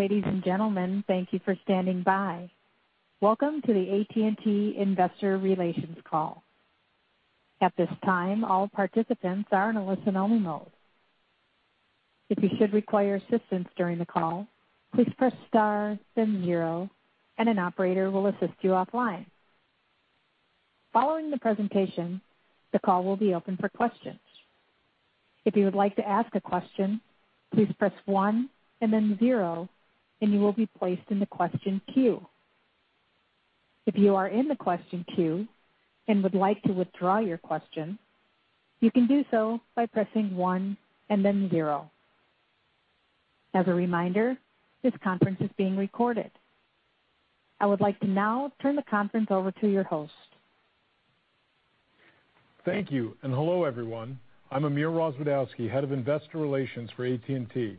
Ladies and gentlemen, thank you for standing by. Welcome to the AT&T Investor Relations. At this time all participants are on listen-only mode. If you should require assistance during the call please press star and then zero and an operator will assist you offline. Following the presentation the call be open for questions. If you would like to ask a question press one and then zero and you will be placed in the question queue. If you are in the question queue and would like to withdraw your question you can do so by pressing one and then zero. As a reminder thus call is being recorded. I would like to now turn the conference over to your host. Thank you. Hello, everyone. I'm Amir Rozwadowski, Head of Investor Relations for AT&T.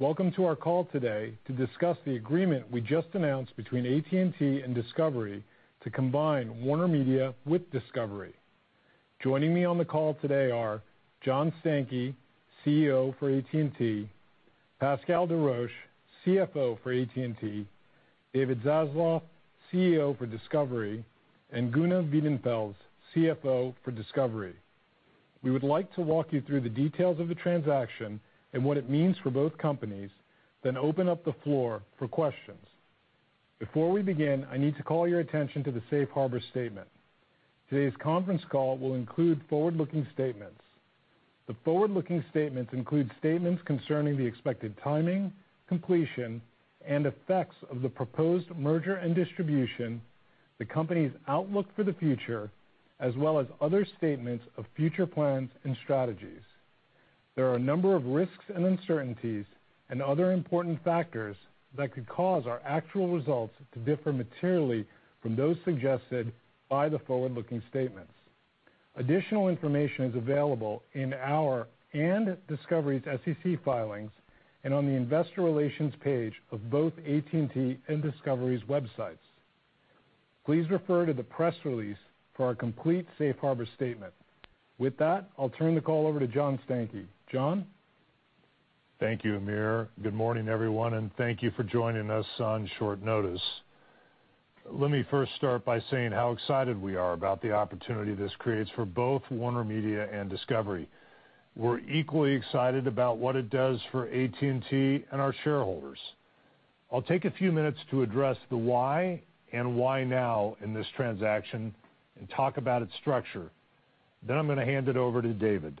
Welcome to our call today to discuss the agreement we just announced between AT&T and Discovery to combine WarnerMedia with Discovery. Joining me on the call today are John Stankey, CEO for AT&T, Pascal Desroches, CFO for AT&T, David Zaslav, CEO for Discovery, and Gunnar Wiedenfels, CFO for Discovery. We would like to walk you through the details of the transaction and what it means for both companies, then open up the floor for questions. Before we begin, I need to call your attention to the Safe Harbor statement. Today's conference call will include forward-looking statements. The forward-looking statements include statements concerning the expected timing, completion, and effects of the proposed merger and distribution, the company's outlook for the future, as well as other statements of future plans and strategies. There are a number of risks and uncertainties and other important factors that could cause our actual results to differ materially from those suggested by the forward-looking statements. Additional information is available in our and Discovery's SEC filings and on the investor relations page of both AT&T and Discovery's websites. Please refer to the press release for our complete Safe Harbor statement. With that, I'll turn the call over to John Stankey. John? Thank you, Amir. Good morning, everyone, and thank you for joining us on short notice. Let me first start by saying how excited we are about the opportunity this creates for both WarnerMedia and Discovery. We're equally excited about what it does for AT&T and our shareholders. I'll take a few minutes to address the why and why now in this transaction and talk about its structure. I'm going to hand it over to David.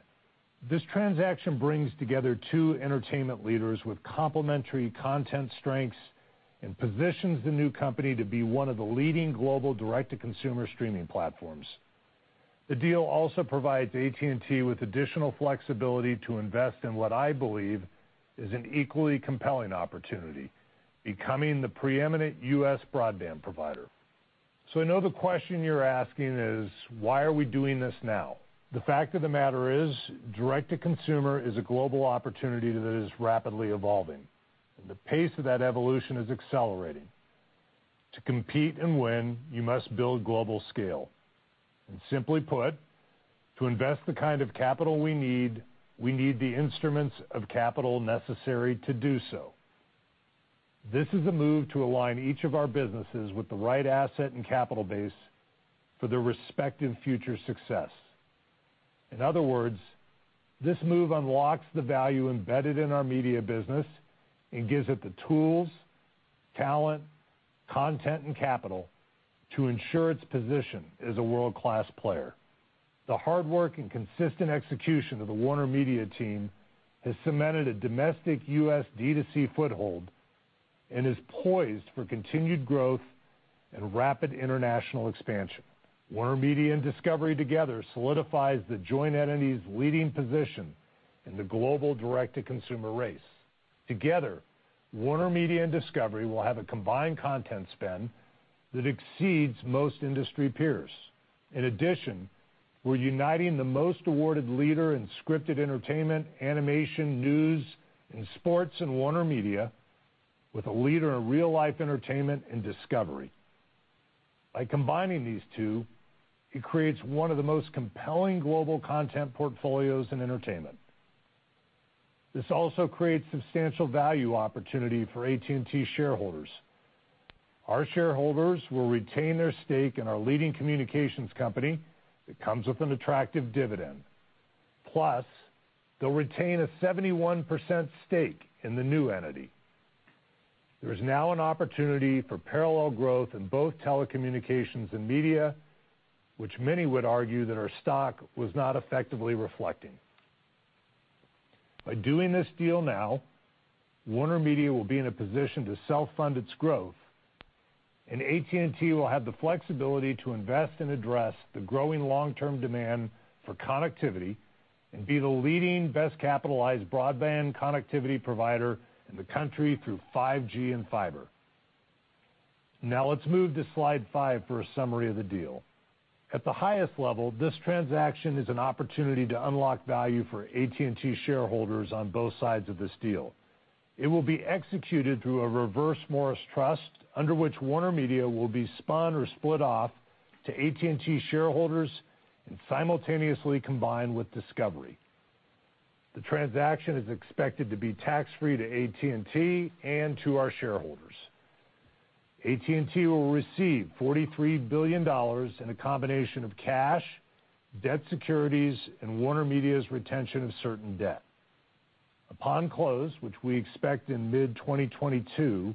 This transaction brings together two entertainment leaders with complementary content strengths and positions the new company to be one of the leading global direct-to-consumer streaming platforms. The deal also provides AT&T with additional flexibility to invest in what I believe is an equally compelling opportunity, becoming the preeminent U.S. broadband provider. I know the question you're asking is, why are we doing this now? The fact of the matter is, direct-to-consumer is a global opportunity that is rapidly evolving. The pace of that evolution is accelerating. To compete and win, you must build global scale. Simply put, to invest the kind of capital we need, we need the instruments of capital necessary to do so. This is a move to align each of our businesses with the right asset and capital base for their respective future success. In other words, this move unlocks the value embedded in our media business and gives it the tools, talent, content, and capital to ensure its position as a world-class player. The hard work and consistent execution of the WarnerMedia team has cemented a domestic U.S. D2C foothold and is poised for continued growth and rapid international expansion. WarnerMedia and Discovery together solidifies the joint entity's leading position in the global direct-to-consumer race. Together, WarnerMedia and Discovery will have a combined content spend that exceeds most industry peers. In addition, we're uniting the most awarded leader in scripted entertainment, animation, news, and sports in WarnerMedia with a leader in real-life entertainment in Discovery. By combining these two, it creates one of the most compelling global content portfolios in entertainment. This also creates substantial value opportunity for AT&T shareholders. Our shareholders will retain their stake in our leading communications company that comes with an attractive dividend. Plus, they'll retain a 71% stake in the new entity. There is now an opportunity for parallel growth in both telecommunications and media, which many would argue that our stock was not effectively reflecting. By doing this deal now, WarnerMedia will be in a position to self-fund its growth, and AT&T will have the flexibility to invest and address the growing long-term demand for connectivity and be the leading, best-capitalized broadband connectivity provider in the country through 5G and fiber. Let's move to slide five for a summary of the deal. At the highest level, this transaction is an opportunity to unlock value for AT&T shareholders on both sides of this deal. It will be executed through a Reverse Morris Trust, under which WarnerMedia will be spun or split off to AT&T shareholders and simultaneously combined with Discovery. The transaction is expected to be tax-free to AT&T and to our shareholders. AT&T will receive $43 billion in a combination of cash, debt securities, and WarnerMedia's retention of certain debt. Upon close, which we expect in mid-2022,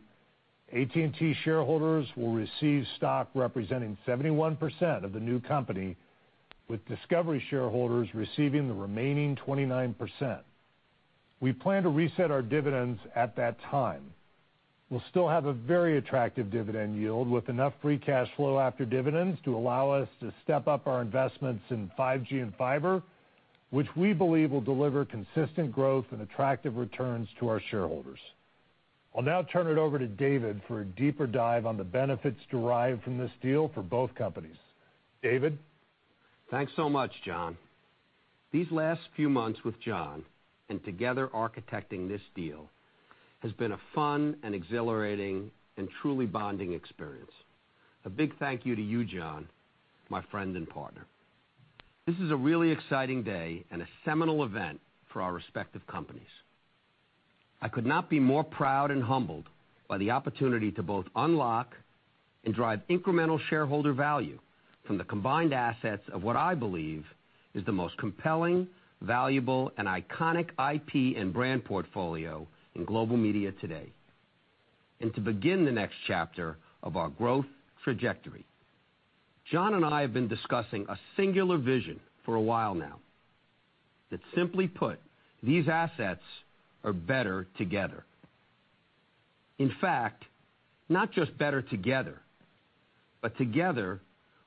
AT&T shareholders will receive stock representing 71% of the new company, with Discovery shareholders receiving the remaining 29%. We plan to reset our dividends at that time. We'll still have a very attractive dividend yield with enough free cash flow after dividends to allow us to step up our investments in 5G and fiber, which we believe will deliver consistent growth and attractive returns to our shareholders. I'll now turn it over to David for a deeper dive on the benefits derived from this deal for both companies. David? Thanks so much, John. These last few months with John and together architecting this deal has been a fun and exhilarating and truly bonding experience. A big thank you to you, John, my friend and partner. This is a really exciting day and a seminal event for our respective companies. I could not be more proud and humbled by the opportunity to both unlock and drive incremental shareholder value from the combined assets of what I believe is the most compelling, valuable, and iconic IP and brand portfolio in global media today, and to begin the next chapter of our growth trajectory. John and I have been discussing a singular vision for a while now, that simply put, these assets are better together. In fact, not just better together, but together,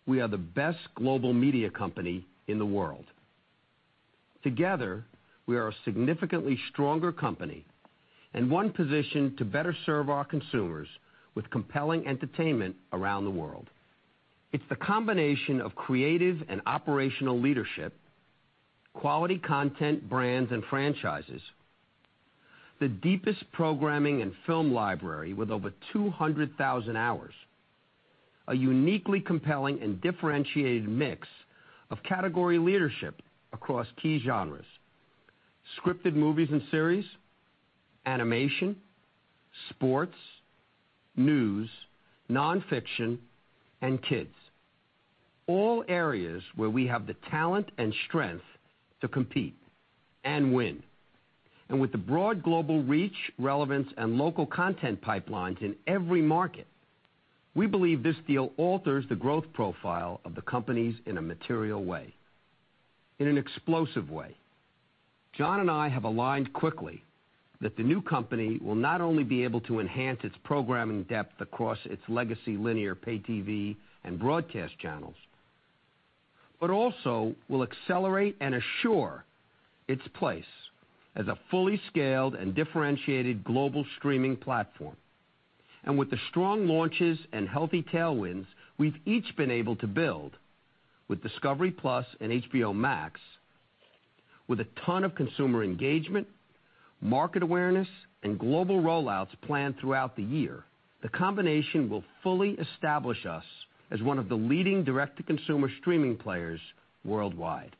we are the best global media company in the world. Together, we are a significantly stronger company and one positioned to better serve our consumers with compelling entertainment around the world. It's the combination of creative and operational leadership, quality content, brands, and franchises, the deepest programming and film library with over 200,000 hours, a uniquely compelling and differentiated mix of category leadership across key genres, scripted movies and series, animation, sports, news, nonfiction, and kids, all areas where we have the talent and strength to compete and win. With the broad global reach, relevance, and local content pipelines in every market, we believe this deal alters the growth profile of the companies in a material way, in an explosive way. John and I have aligned quickly that the new company will not only be able to enhance its programming depth across its legacy linear pay TV and broadcast channels, but also will accelerate and assure its place as a fully scaled and differentiated global streaming platform. With the strong launches and healthy tailwinds we've each been able to build with Discovery+ and HBO Max, with a ton of consumer engagement, market awareness, and global rollouts planned throughout the year, the combination will fully establish us as one of the leading direct-to-consumer streaming players worldwide.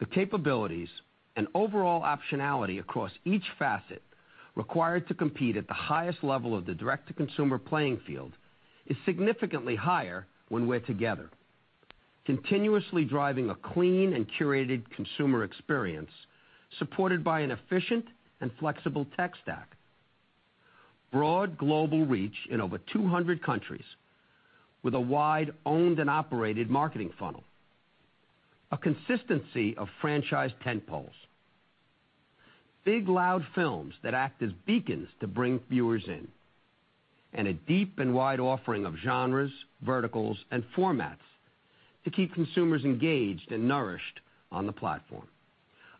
The capabilities and overall optionality across each facet required to compete at the highest level of the direct-to-consumer playing field is significantly higher when we're together. Continuously driving a clean and curated consumer experience supported by an efficient and flexible tech stack. Broad global reach in over 200 countries with a wide owned and operated marketing funnel. A consistency of franchise tentpoles. Big loud films that act as beacons to bring viewers in. A deep and wide offering of genres, verticals, and formats to keep consumers engaged and nourished on the platform.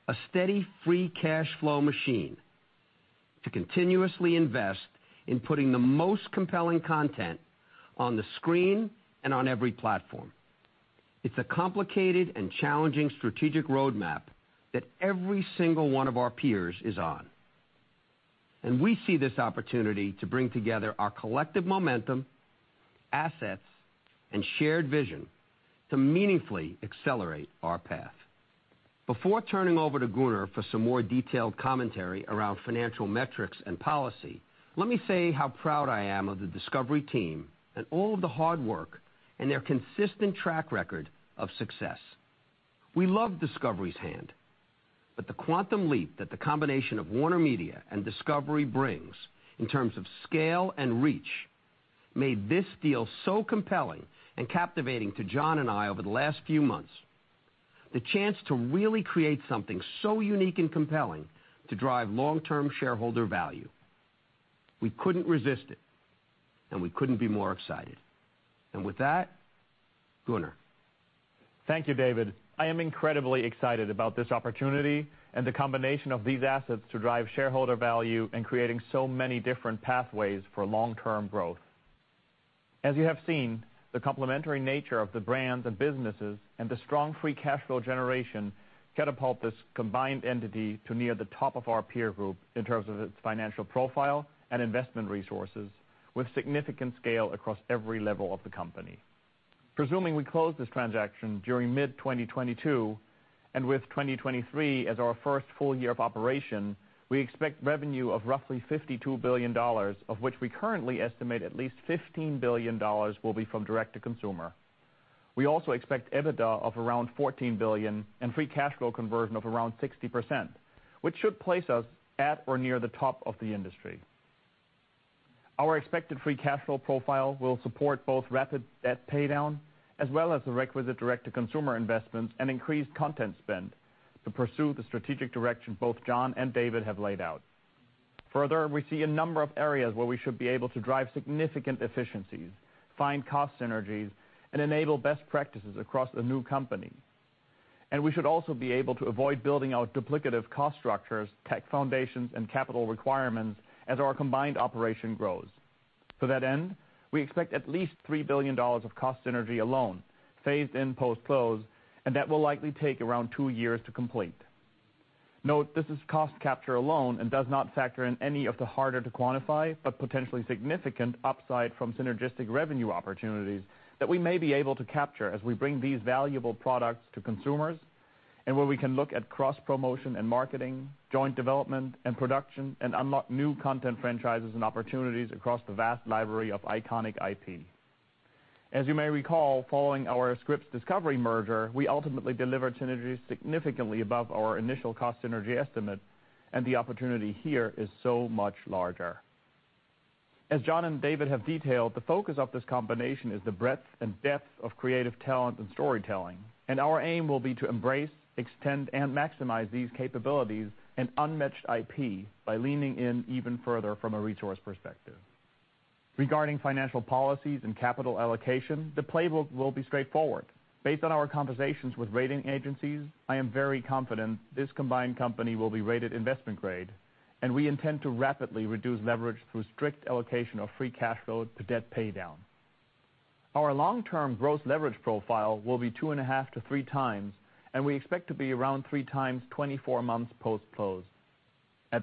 A steady free cash flow machine to continuously invest in putting the most compelling content on the screen and on every platform. It's a complicated and challenging strategic roadmap that every single one of our peers is on, and we see this opportunity to bring together our collective momentum, assets, and shared vision to meaningfully accelerate our path. Before turning over to Gunnar for some more detailed commentary around financial metrics and policy, let me say how proud I am of the Discovery team and all of the hard work and their consistent track record of success. We love Discovery's hand, but the quantum leap that the combination of WarnerMedia and Discovery brings in terms of scale and reach made this deal so compelling and captivating to John and I over the last few months. The chance to really create something so unique and compelling to drive long-term shareholder value. We couldn't resist it, and we couldn't be more excited. With that, Gunnar. Thank you, David. I am incredibly excited about this opportunity and the combination of these assets to drive shareholder value and creating so many different pathways for long-term growth. As you have seen, the complementary nature of the brands, the businesses, and the strong free cash flow generation catapult this combined entity to near the top of our peer group in terms of its financial profile and investment resources with significant scale across every level of the company. Presuming we close this transaction during mid-2022, and with 2023 as our first full year of operation, we expect revenue of roughly $52 billion, of which we currently estimate at least $15 billion will be from direct-to-consumer. We also expect EBITDA of around $14 billion and free cash flow conversion of around 60%, which should place us at or near the top of the industry. Our expected free cash flow profile will support both rapid debt paydown as well as the requisite direct-to-consumer investments and increased content spend to pursue the strategic direction both John and David have laid out. Further, we see a number of areas where we should be able to drive significant efficiencies, find cost synergies, and enable best practices across the new company. We should also be able to avoid building out duplicative cost structures, tech foundations, and capital requirements as our combined operation grows. To that end, we expect at least $3 billion of cost synergy alone, phased in post-close, and that will likely take around two years to complete. Note, this is cost capture alone and does not factor in any of the harder-to-quantify, but potentially significant upside from synergistic revenue opportunities that we may be able to capture as we bring these valuable products to consumers, and where we can look at cross-promotion and marketing, joint development, and production, and unlock new content franchises and opportunities across the vast library of iconic IP. As you may recall, following our Scripps Discovery merger, we ultimately delivered synergies significantly above our initial cost synergy estimate, and the opportunity here is so much larger. As John and David have detailed, the focus of this combination is the breadth and depth of creative talent and storytelling, and our aim will be to embrace, extend, and maximize these capabilities and unmatched IP by leaning in even further from a resource perspective. Regarding financial policies and capital allocation, the playbook will be straightforward. Based on our conversations with rating agencies, I am very confident this combined company will be rated investment grade, and we intend to rapidly reduce leverage through strict allocation of free cash flow to debt paydown. Our long-term gross leverage profile will be two and a half to three times, and we expect to be around three times 24 months post-close. At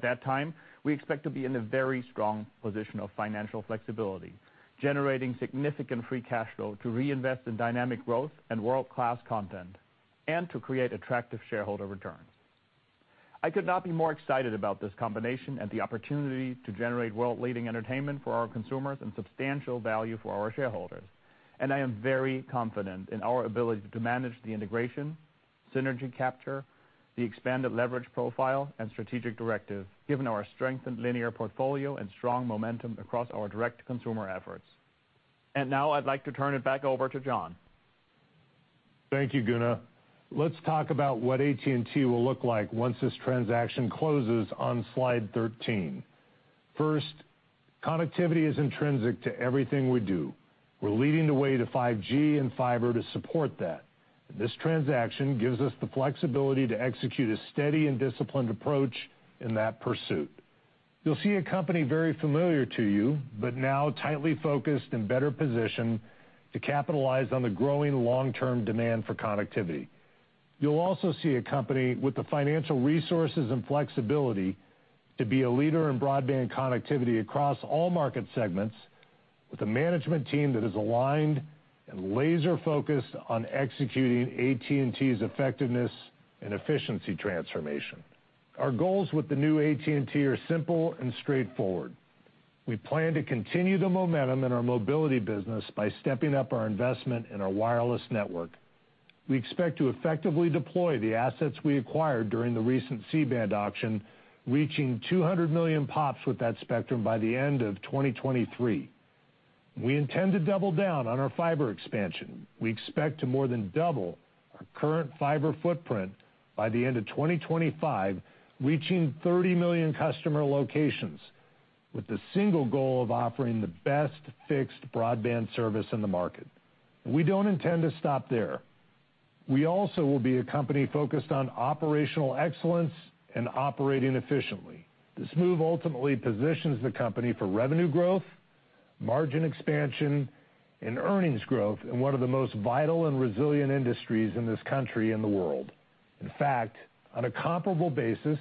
that time, we expect to be in a very strong position of financial flexibility, generating significant free cash flow to reinvest in dynamic growth and world-class content and to create attractive shareholder returns. I could not be more excited about this combination and the opportunity to generate world-leading entertainment for our consumers and substantial value for our shareholders, and I am very confident in our ability to manage the integration, synergy capture, the expanded leverage profile, and strategic directive, given our strengthened linear portfolio and strong momentum across our direct-to-consumer efforts. Now I'd like to turn it back over to John. Thank you, Gunnar. Let's talk about what AT&T will look like once this transaction closes on slide 13. First, connectivity is intrinsic to everything we do. We're leading the way to 5G and fiber to support that. This transaction gives us the flexibility to execute a steady and disciplined approach in that pursuit. You'll see a company very familiar to you. Now tightly focused and better positioned to capitalize on the growing long-term demand for connectivity. You'll also see a company with the financial resources and flexibility to be a leader in broadband connectivity across all market segments with a management team that is aligned and laser-focused on executing AT&T's effectiveness and efficiency transformation. Our goals with the new AT&T are simple and straightforward. We plan to continue the momentum in our mobility business by stepping up our investment in our wireless network. We expect to effectively deploy the assets we acquired during the recent C-band auction, reaching 200 million pops with that spectrum by the end of 2023. We intend to double down on our fiber expansion. We expect to more than double our current fiber footprint by the end of 2025, reaching 30 million customer locations, with the single goal of offering the best fixed broadband service in the market. We don't intend to stop there. We also will be a company focused on operational excellence and operating efficiently. This move ultimately positions the company for revenue growth, margin expansion, and earnings growth in one of the most vital and resilient industries in this country and the world. In fact, on a comparable basis,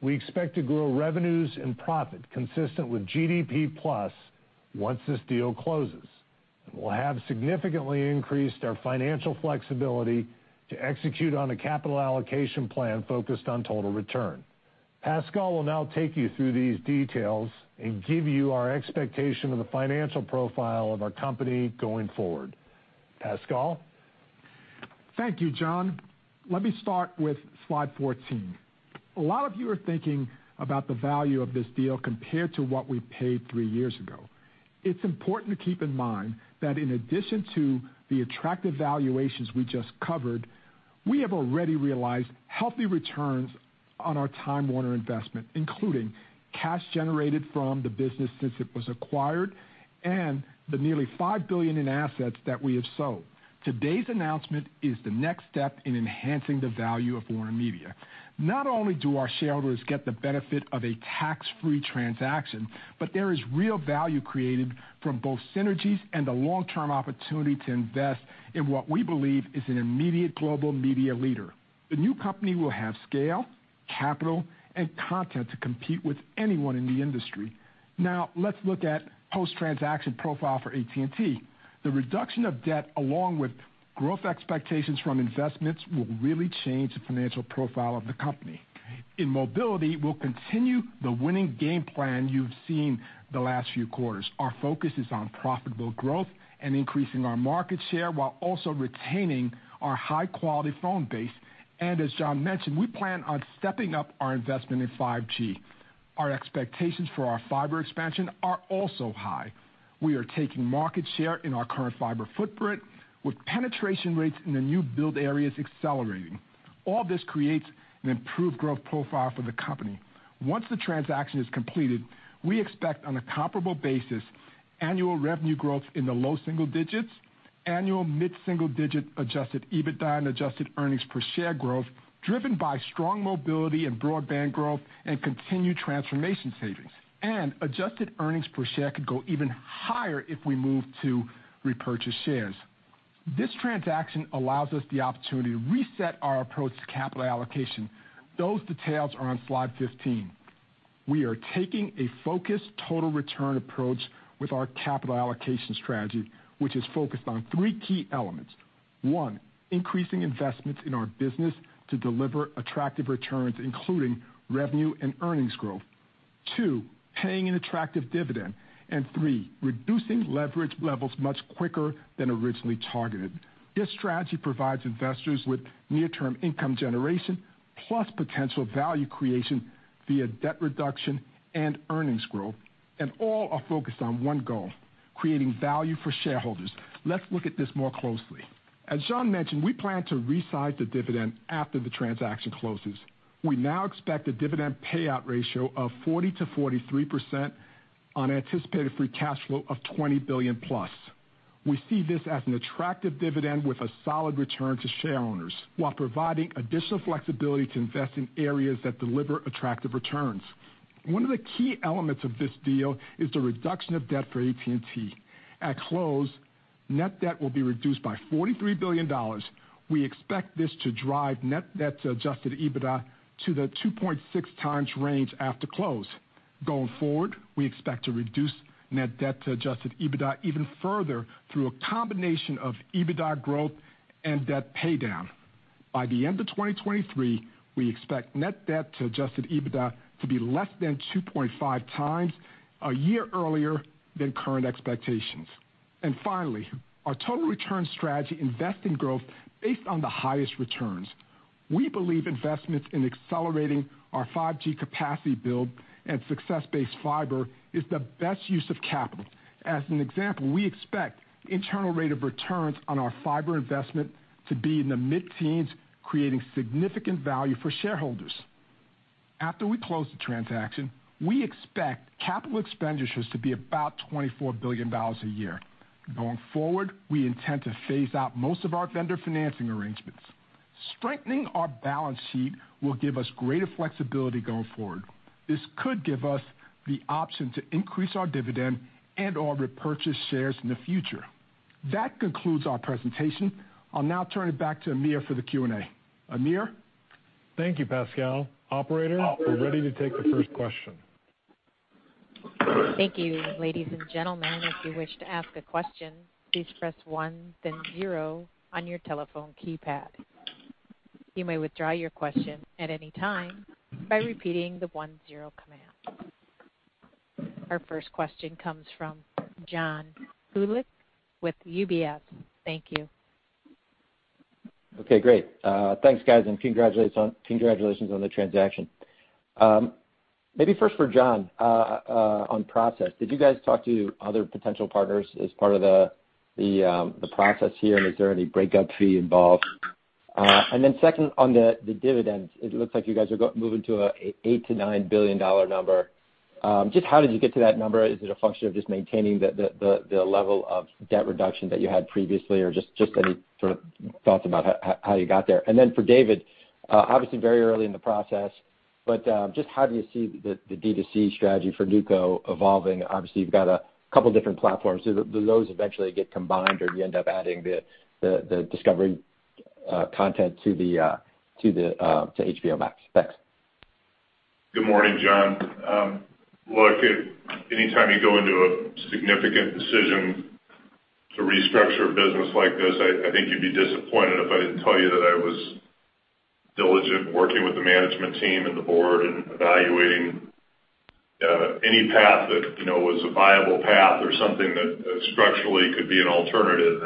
we expect to grow revenues and profit consistent with GDP plus once this deal closes. We'll have significantly increased our financial flexibility to execute on a capital allocation plan focused on total return. Pascal will now take you through these details and give you our expectation of the financial profile of our company going forward. Pascal? Thank you, John. Let me start with slide 14. A lot of you are thinking about the value of this deal compared to what we paid three years ago. It's important to keep in mind that in addition to the attractive valuations we just covered, we have already realized healthy returns on our Time Warner investment, including cash generated from the business since it was acquired and the nearly $5 billion in assets that we have sold. Today's announcement is the next step in enhancing the value of WarnerMedia. Not only do our shareholders get the benefit of a tax-free transaction, but there is real value created from both synergies and a long-term opportunity to invest in what we believe is an immediate global media leader. The new company will have scale capital, and content to compete with anyone in the industry. Now let's look at post-transaction profile for AT&T. The reduction of debt, along with growth expectations from investments, will really change the financial profile of the company. In mobility, we'll continue the winning game plan you've seen the last few quarters. Our focus is on profitable growth and increasing our market share, while also retaining our high-quality phone base. As John mentioned, we plan on stepping up our investment in 5G. Our expectations for our fiber expansion are also high. We are taking market share in our current fiber footprint, with penetration rates in the new build areas accelerating. All this creates an improved growth profile for the company. Once the transaction is completed, we expect on a comparable basis, annual revenue growth in the low single digits, annual mid-single-digit adjusted EBITDA, and adjusted earnings per share growth driven by strong mobility and broadband growth and continued transformation savings. Adjusted earnings per share could go even higher if we move to repurchase shares. This transaction allows us the opportunity to reset our approach to capital allocation. Those details are on slide 15. We are taking a focused total return approach with our capital allocation strategy, which is focused on three key elements. One, increasing investments in our business to deliver attractive returns, including revenue and earnings growth. Two, paying an attractive dividend. Three, reducing leverage levels much quicker than originally targeted. This strategy provides investors with near-term income generation, plus potential value creation via debt reduction and earnings growth. All are focused on one goal, creating value for shareholders. Let's look at this more closely. As John mentioned, we plan to resize the dividend after the transaction closes. We now expect a dividend payout ratio of 40%-43% on anticipated free cash flow of $20+ billion. We see this as an attractive dividend with a solid return to shareowners, while providing additional flexibility to invest in areas that deliver attractive returns. One of the key elements of this deal is the reduction of debt for AT&T. At close, net debt will be reduced by $43 billion. We expect this to drive net debt to adjusted EBITDA to the 2.6x range after close. Going forward, we expect to reduce net debt to adjusted EBITDA even further through a combination of EBITDA growth and debt paydown. By the end of 2023, we expect net debt to adjusted EBITDA to be less than 2.5x, a year earlier than current expectations. Finally, our total return strategy invests in growth based on the highest returns. We believe investments in accelerating our 5G capacity build and success-based fiber is the best use of capital. As an example, we expect internal rate of returns on our fiber investment to be in the mid-teens, creating significant value for shareholders. After we close the transaction, we expect capital expenditures to be about $24 billion a year. Going forward, we intend to phase out most of our vendor financing arrangements. Strengthening our balance sheet will give us greater flexibility going forward. This could give us the option to increase our dividend and/or repurchase shares in the future. That concludes our presentation. I'll now turn it back to Amir for the Q&A. Amir? Thank you, Pascal. Operator, we are ready to take the first question. Thank you. Ladies and gentlemen, if you wish to ask a question, please press one then zero on your telephone keypad. You may withdraw your question at any time by repeating the one-zero command. Our first question comes from John Hodulik with UBS. Thank you. Okay, great. Thanks, guys, and congratulations on the transaction. Maybe first for John, on process. Did you guys talk to other potential partners as part of the process here? Is there any breakup fee involved? Second, on the dividend, it looks like you guys are moving to an $8 billion-$9 billion number. Just how did you get to that number? Is it a function of just maintaining the level of debt reduction that you had previously? Just any sort of thoughts about how you got there? For David, obviously very early in the process, but just how do you see the D2C strategy for NewCo evolving? Obviously, you've got a couple different platforms. Do those eventually get combined, or do you end up adding the Discovery content to HBO Max? Thanks. Good morning, John. Look, anytime you go into a significant decision to restructure a business like this, I think you'd be disappointed if I didn't tell you that I was diligent, working with the management team and the board and evaluating any path that was a viable path or something that structurally could be an alternative.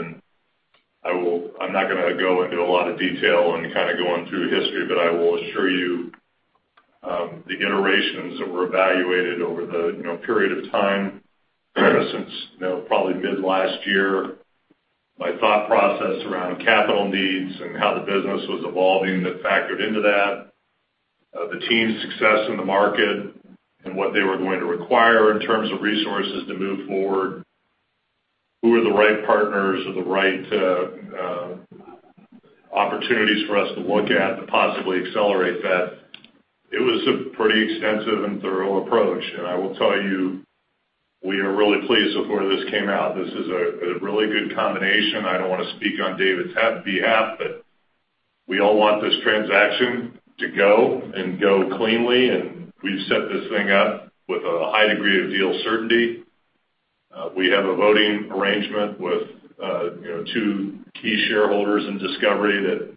I'm not going to go into a lot of detail on kind of going through history, but I will assure you, the iterations that were evaluated over the period of time, since probably mid-last year, my thought process around capital needs and how the business was evolving that factored into that, the team's success in the market and what they were going to require in terms of resources to move forward, who are the right partners or the right opportunities for us to look at to possibly accelerate that. It was a pretty extensive and thorough approach, and I will tell you We are really pleased with where this came out. This is a really good combination. I don't want to speak on David's behalf, but we all want this transaction to go and go cleanly, and we've set this thing up with a high degree of deal certainty. We have a voting arrangement with two key shareholders in Discovery that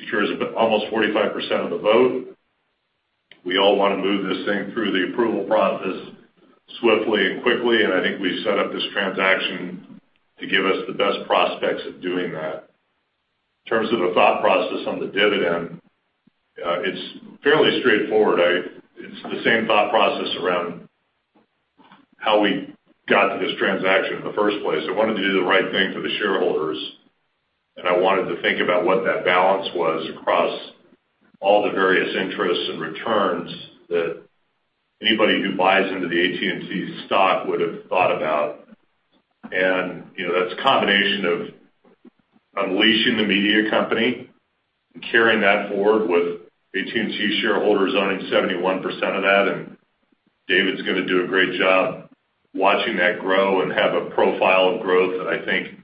secures almost 45% of the vote. We all want to move this thing through the approval process swiftly and quickly, and I think we set up this transaction to give us the best prospects of doing that. In terms of the thought process on the dividend, it's fairly straightforward. It's the same thought process around how we got to this transaction in the first place. I wanted to do the right thing for the shareholders, and I wanted to think about what that balance was across all the various interests and returns that anybody who buys into the AT&T stock would have thought about. That's a combination of unleashing the media company and carrying that forward with AT&T shareholders owning 71% of that. David's going to do a great job watching that grow and have a profile of growth that I think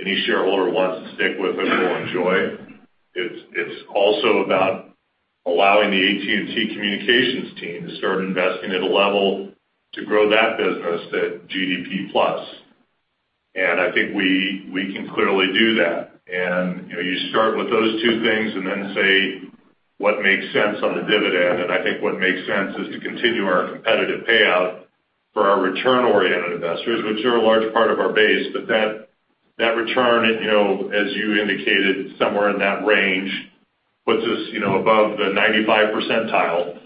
any shareholder who wants to stick with it will enjoy. It's also about allowing the AT&T communications team to start investing at a level to grow that business at GDP Plus. I think we can clearly do that. You start with those two things and then say, what makes sense on the dividend? I think what makes sense is to continue our competitive payout for our return-oriented investors, which are a large part of our base, but that return, as you indicated, somewhere in that range, puts us above the 95 percentile.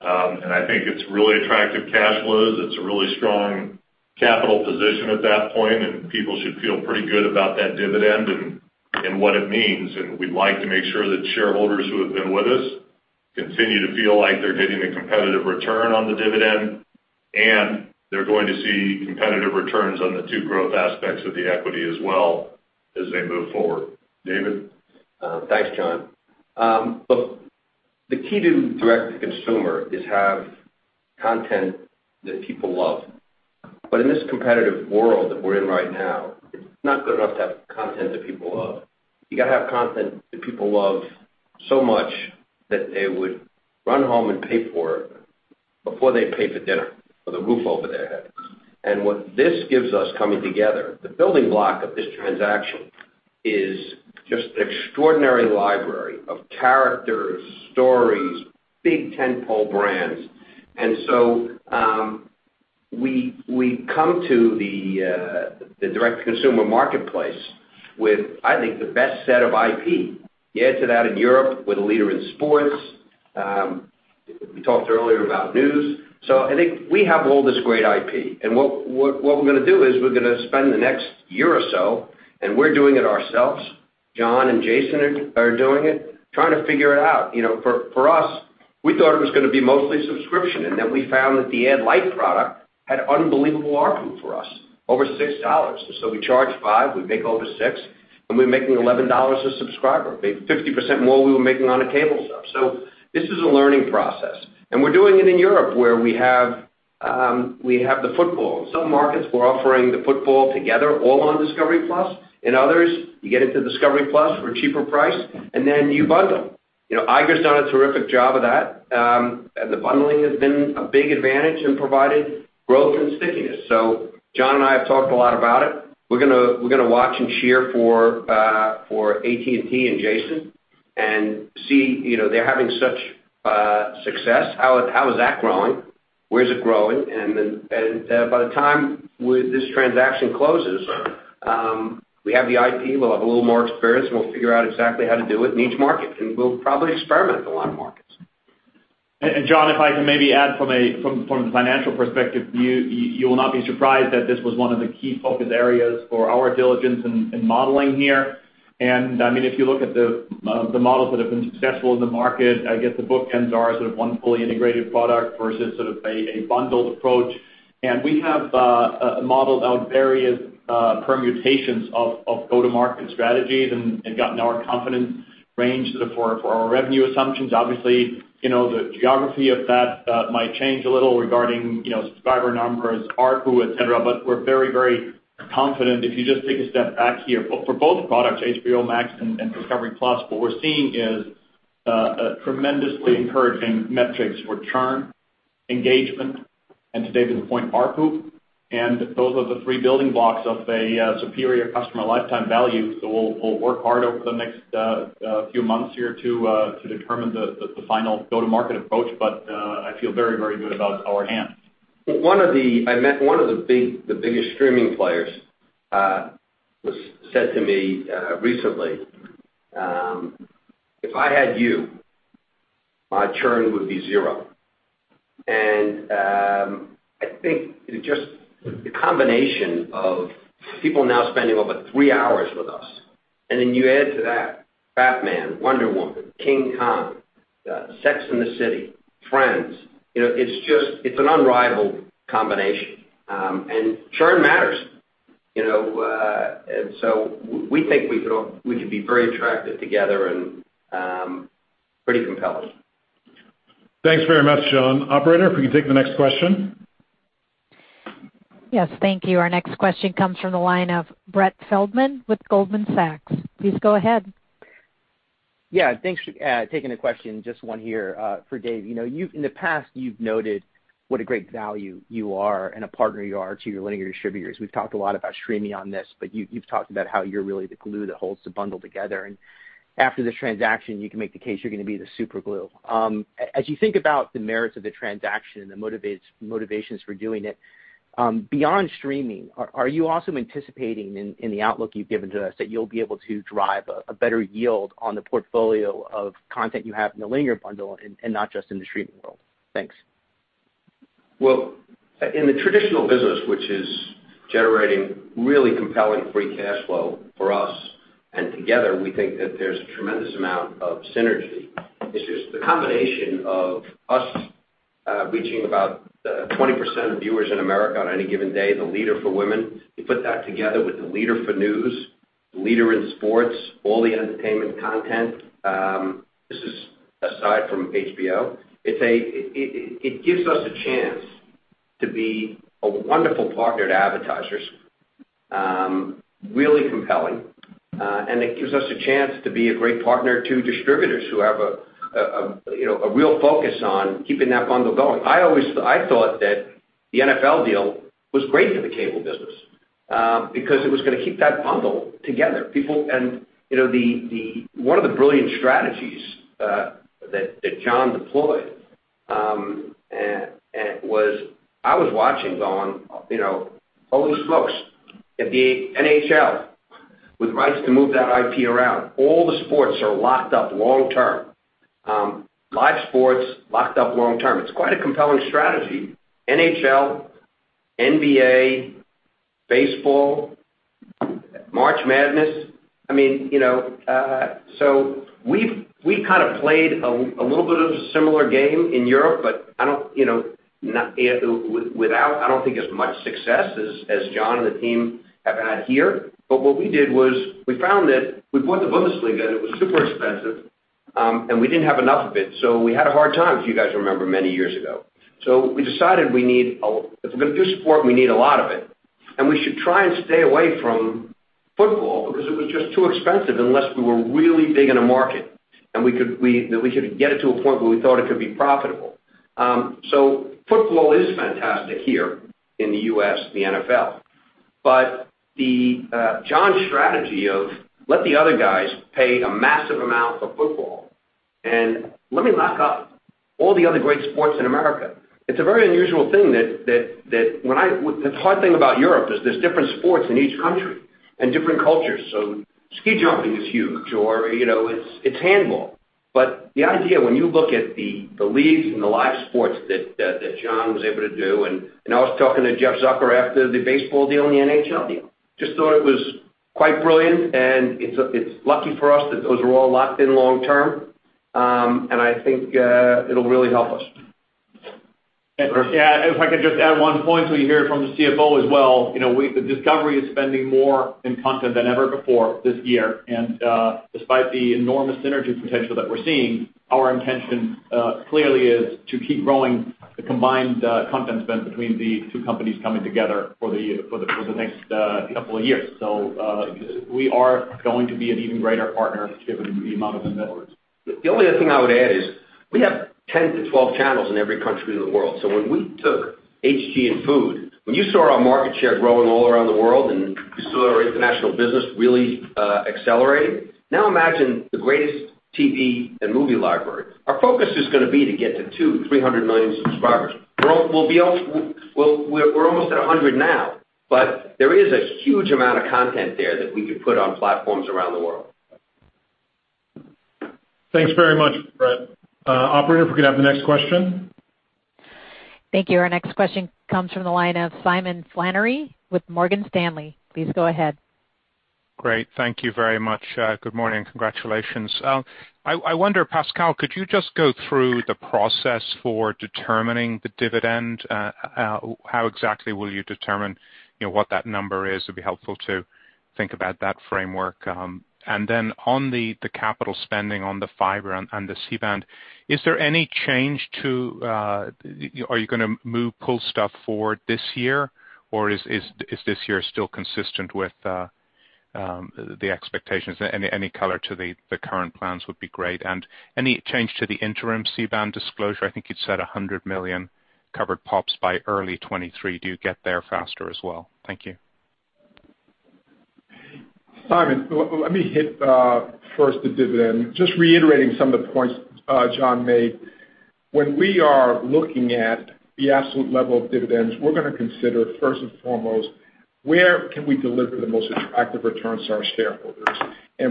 I think it's really attractive cash flows. It's a really strong capital position at that point, and people should feel pretty good about that dividend and what it means. We'd like to make sure that shareholders who have been with us continue to feel like they're getting a competitive return on the dividend, and they're going to see competitive returns on the two growth aspects of the equity as well as they move forward. David? Thanks, John. The key to direct-to-consumer is have content that people love. In this competitive world that we're in right now, it's not good enough to have content that people love. You got to have content that people love so much that they would run home and pay for it before they'd pay for dinner or the roof over their head. What this gives us coming together, the building block of this transaction is just extraordinary library of characters, stories, big tentpole brands. We come to the direct-to-consumer marketplace with, I think, the best set of IP. You add to that in Europe with a leader in sports. We talked earlier about news. I think we have all this great IP, and what we're going to do is we're going to spend the next year or so, and we're doing it ourselves. John & Jason are doing it, trying to figure it out. For us, we thought it was going to be mostly subscription, we found that the ad-lite product had unbelievable ARPU for us, over $6. We charge $5, we make over $6, we're making $11 a subscriber, make 50% more than we were making on the cable stuff. This is a learning process, we're doing it in Europe, where we have the football. In some markets, we're offering the football together, all on Discovery+. In others, you get it through Discovery+ for a cheaper price, you bundle. Iger's done a terrific job of that. The bundling has been a big advantage and provided growth and stickiness. John and I have talked a lot about it. We're going to watch and cheer for AT&T and Jason and see they're having such success. How is that growing? Where is it growing? By the time this transaction closes, we have the IP, we'll have a little more experience. We'll figure out exactly how to do it in each market, and we'll probably experiment in a lot of markets. John, if I can maybe add from a financial perspective view, you will not be surprised that this was one of the key focus areas for our diligence and modeling here. If you look at the models that have been successful in the market, I guess the bookends are sort of one fully integrated product versus sort of a bundled approach. We have modeled out various permutations of go-to-market strategies and gotten our confidence range for our revenue assumptions. Obviously, the geography of that might change a little regarding subscriber numbers, ARPU, et cetera, but we're very, very confident if you just take a step back here. For both products, HBO Max and Discovery+, what we're seeing is tremendously encouraging metrics, return, engagement, and to David's point, ARPU. Those are the three building blocks of a superior customer lifetime value. We'll work hard over the next few months here to determine the final go-to-market approach. I feel very, very good about our hands. I met one of the biggest streaming players who said to me recently, "If I had you, my churn would be zero." I think just the combination of people now spending over three hours with us. Then you add to that Batman, Wonder Woman, King Kong, Sex and the City, Friends. It's an unrivaled combination. Churn matters. We think we could be very attractive together and pretty compelling. Thanks very much, John. Operator, if you can take the next question. Yes. Thank you. Our next question comes from the line of Brett Feldman with Goldman Sachs. Please go ahead. Yeah. Thanks. Taking the question, just one here for Dave. In the past, you've noted what a great value you are and a partner you are to your linear distributors. We've talked a lot about streaming on this, but you've talked about how you're really the glue that holds the bundle together, and after the transaction, you can make the case you're going to be the super glue. As you think about the merits of the transaction and the motivations for doing it, beyond streaming, are you also anticipating in the outlook you've given to us that you'll be able to drive a better yield on the portfolio of content you have in the linear bundle and not just in the streaming world? Thanks. Well, in the traditional business, which is generating really compelling free cash flow for us, and together, we think that there's a tremendous amount of synergy, which is the combination of us reaching about 20% of viewers in America on any given day, the leader for women. You put that together with the leader for news, the leader in sports, all the entertainment content. This is aside from HBO. It gives us a chance to be a wonderful partner to advertisers, really compelling, and it gives us a chance to be a great partner to distributors who have a real focus on keeping that bundle going. I thought that the NFL deal was great for the cable business because it was going to keep that bundle together. One of the brilliant strategies that John deployed was I was watching going, "Holy smokes." The NHL with rights to move that IP around. All the sports are locked up long term. Live sports locked up long term. It's quite a compelling strategy. NHL, NBA, baseball, March Madness. We've played a little bit of a similar game in Europe, but without, I don't think as much success as John and the team have had here. What we did was we found that we bought the Bundesliga, and it was super expensive, and we didn't have enough of it. We had a hard time, if you guys remember, many years ago. We decided if it's a good sport, we need a lot of it, and we should try and stay away from football because it was just too expensive unless we were really big in a market and we could get it to a point where we thought it could be profitable. Football is fantastic here in the U.S., the NFL, but John's strategy of let the other guys pay a massive amount for football and let me lock up all the other great sports in America. It's a very unusual thing. The hard thing about Europe is there's different sports in each country and different cultures. Ski jumping is huge, or it's handball. The idea, when you look at the leagues and the live sports that John was able to do, and I was talking to Jeff Zucker after the baseball deal and the NHL deal, just thought it was quite brilliant, and it's lucky for us that those are all locked in long term. I think it'll really help us. If I could just add one point we hear from the CFO as well. Discovery is spending more in content than ever before this year. Despite the enormous synergy potential that we're seeing, our intention clearly is to keep growing the combined content spend between these two companies coming together for the next couple of years. We are going to be an even greater partner to the amount of networks. The only other thing I would add is we have 10-12 channels in every country in the world. When we took HD and Food, when you saw our market share growing all around the world and you saw our international business really accelerating, now imagine the greatest TV and movie library. Our focus is going to be to get to 200, 300 million subscribers. We're almost at 100 now, there is a huge amount of content there that we can put on platforms around the world. Thanks very much, Brett. Operator, if we could have the next question. Thank you. Our next question comes from the line of Simon Flannery with Morgan Stanley. Please go ahead. Great. Thank you very much. Good morning. Congratulations. I wonder, Pascal, could you just go through the process for determining the dividend? How exactly will you determine what that number is? It'd be helpful to think about that framework. On the capital spending on the fiber and the C-band, are you going to move, pull stuff forward this year, or is this year still consistent with the expectations? Any color to the current plans would be great. Any change to the interim C-band disclosure? I think you'd said 100 million covered pops by early 2023. Do you get there faster as well? Thank you. Simon, let me hit first the dividend, just reiterating some of the points John made. When we are looking at the absolute level of dividends, we're going to consider first and foremost, where can we deliver the most attractive returns to our shareholders?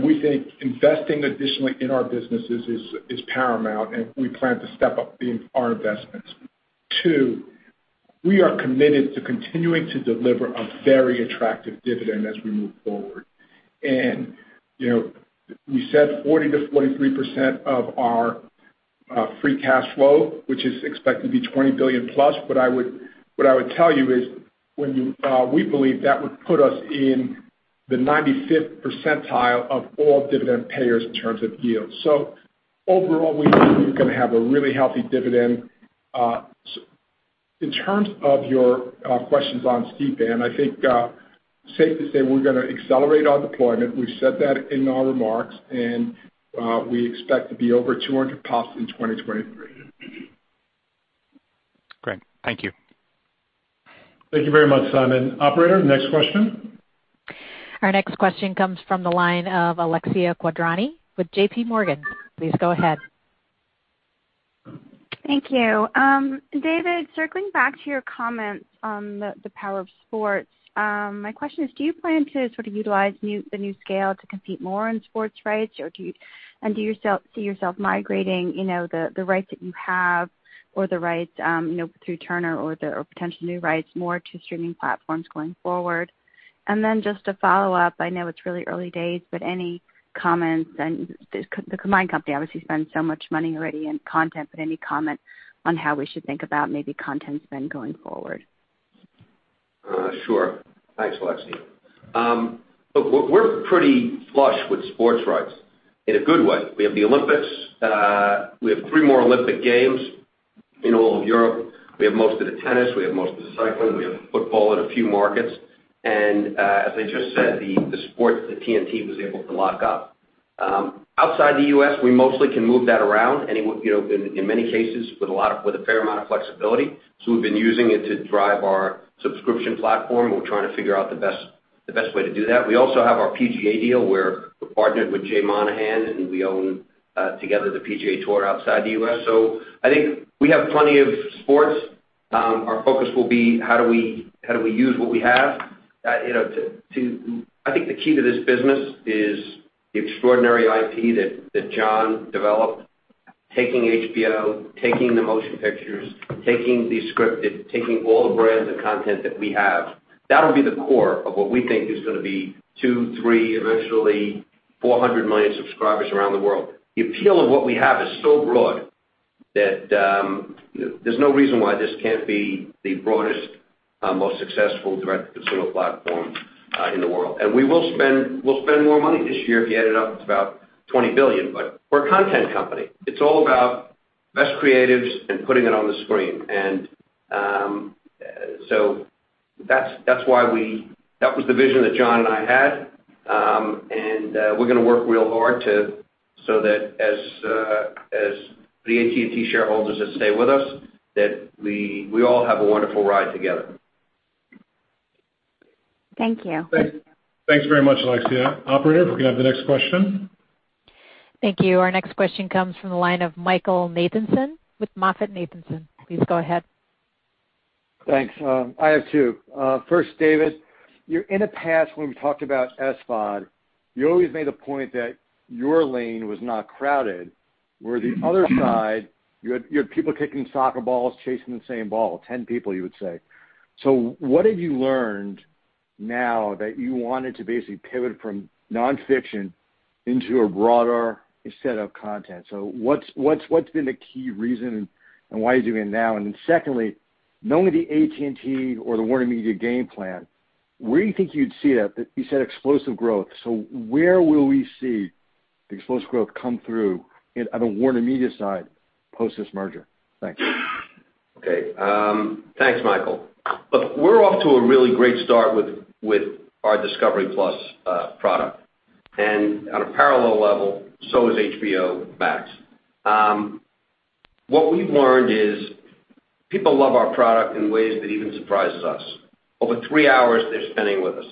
We think investing additionally in our businesses is paramount, and we plan to step up our investments. Two, we are committed to continuing to deliver a very attractive dividend as we move forward. We said 40%-43% of our free cash flow, which is expected to be $20+ billion. What I would tell you is we believe that would put us in The 95th percentile of all dividend payers in terms of yield. Overall, we think you're going to have a really healthy dividend. In terms of your questions on C-band, I think it's safe to say we're going to accelerate our deployment. We said that in our remarks, we expect to be over 200 pops in 2023. Great. Thank you. Thank you very much, Simon. Operator, next question. Our next question comes from the line of Alexia Quadrani with JPMorgan. Please go ahead. Thank you. David, circling back to your comments on the power of sports. My question is, do you plan to utilize the new scale to compete more in sports rights? Do you see yourself migrating the rights that you have or the rights through Turner or the potential new rights more to streaming platforms going forward? Just to follow up, I know it's really early days, but any comments and the combined company obviously spent so much money already in content, but any comments on how we should think about maybe content spend going forward? Sure. Thanks, Alexia. Look, we're pretty flush with sports rights in a good way. We have the Olympics. We have three more Olympic Games in all of Europe. We have most of the tennis. We have most of the cycling. We have football in a few markets. As I just said, we have the sports that AT&T was able to lock up. Outside the U.S., we mostly can move that around and in many cases with a fair amount of flexibility. We've been using it to drive our subscription platform, and we're trying to figure out the best way to do that. We also have our PGA deal where we partnered with Jay Monahan, and we own together the PGA Tour outside the U.S. I think we have plenty of sports. Our focus will be how do we use what we have. I think the key to this business is the extraordinary IP that John developed, taking HBO, taking the motion pictures, taking the scripted, taking all the brands and content that we have. That'll be the core of what we think is going to be 200, 300, eventually 400 million subscribers around the world. The appeal of what we have is so broad that there's no reason why this can't be the broadest, most successful direct-to-consumer platform in the world. We'll spend more money this year if you add it up to about $20 billion, but we're a content company. It's all about best creatives and putting it on the screen. That was the vision that John and I had. We're going to work real hard so that as the AT&T shareholders that stay with us, that we all have a wonderful ride together. Thank you. Great. Thanks very much, Alexia. Operator, if we can have the next question. Thank you. Our next question comes from the line of Michael Nathanson with MoffettNathanson. Please go ahead. Thanks. I have two. First, David, in the past when we've talked about SVOD, you always made a point that your lane was not crowded, where the other side, you had people kicking soccer balls, chasing the same ball, 10 people you would say. What have you learned now that you wanted to basically pivot from non-fiction into a broader set of content? What's been a key reason and why are you doing it now? Secondly, knowing the AT&T or the WarnerMedia game plan, where do you think you'd see that, you said explosive growth. Where will we see the explosive growth come through on the WarnerMedia side post this merger? Thanks. Thanks, Michael. We're off to a really great start with our Discovery+ product. On a parallel level, so is HBO Max. What we've learned is people love our product in ways that even surprises us. Over three hours they're spending with us.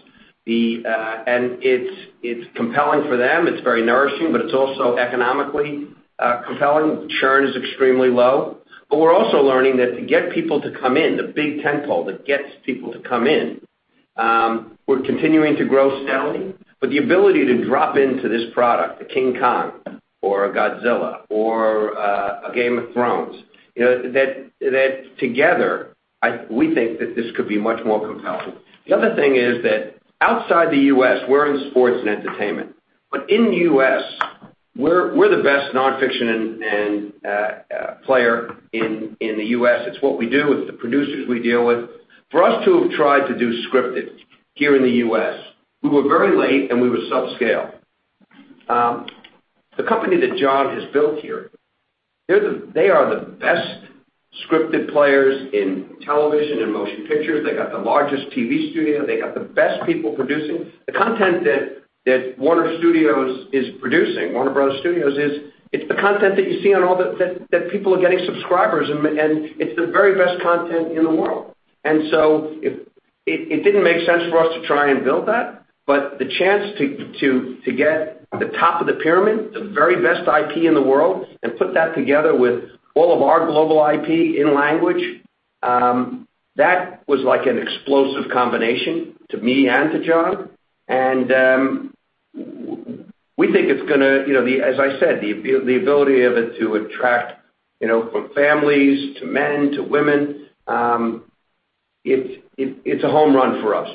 It's compelling for them. It's very nourishing, it's also economically compelling. Churn is extremely low. We're also learning that the big tent pole that gets people to come in. We're continuing to grow soundly, the ability to drop into this product, a King Kong or a Godzilla or a Game of Thrones, that together we think that this could be much more compelling. The other thing is that outside the U.S., we're in sports and entertainment. In the U.S., we're the best non-fiction player in the U.S. It's what we do with the producers we deal with. For us to have tried to do scripted here in the U.S., we were very late and we were subscale. The company that John has built here, they are the best scripted players in television and motion pictures. They got the largest TV studio. They got the best people producing. The content that Warner Bros. Studios is, it's the content that you see that people are getting subscribers and it's the very best content in the world. It didn't make sense for us to try and build that. The chance to get the top of the pyramid, the very best IP in the world, and put that together with all of our global IP in language that was like an explosive combination to me and to John. We think it's going to, as I said, the ability of it to attract from families to men to women, it's a home run for us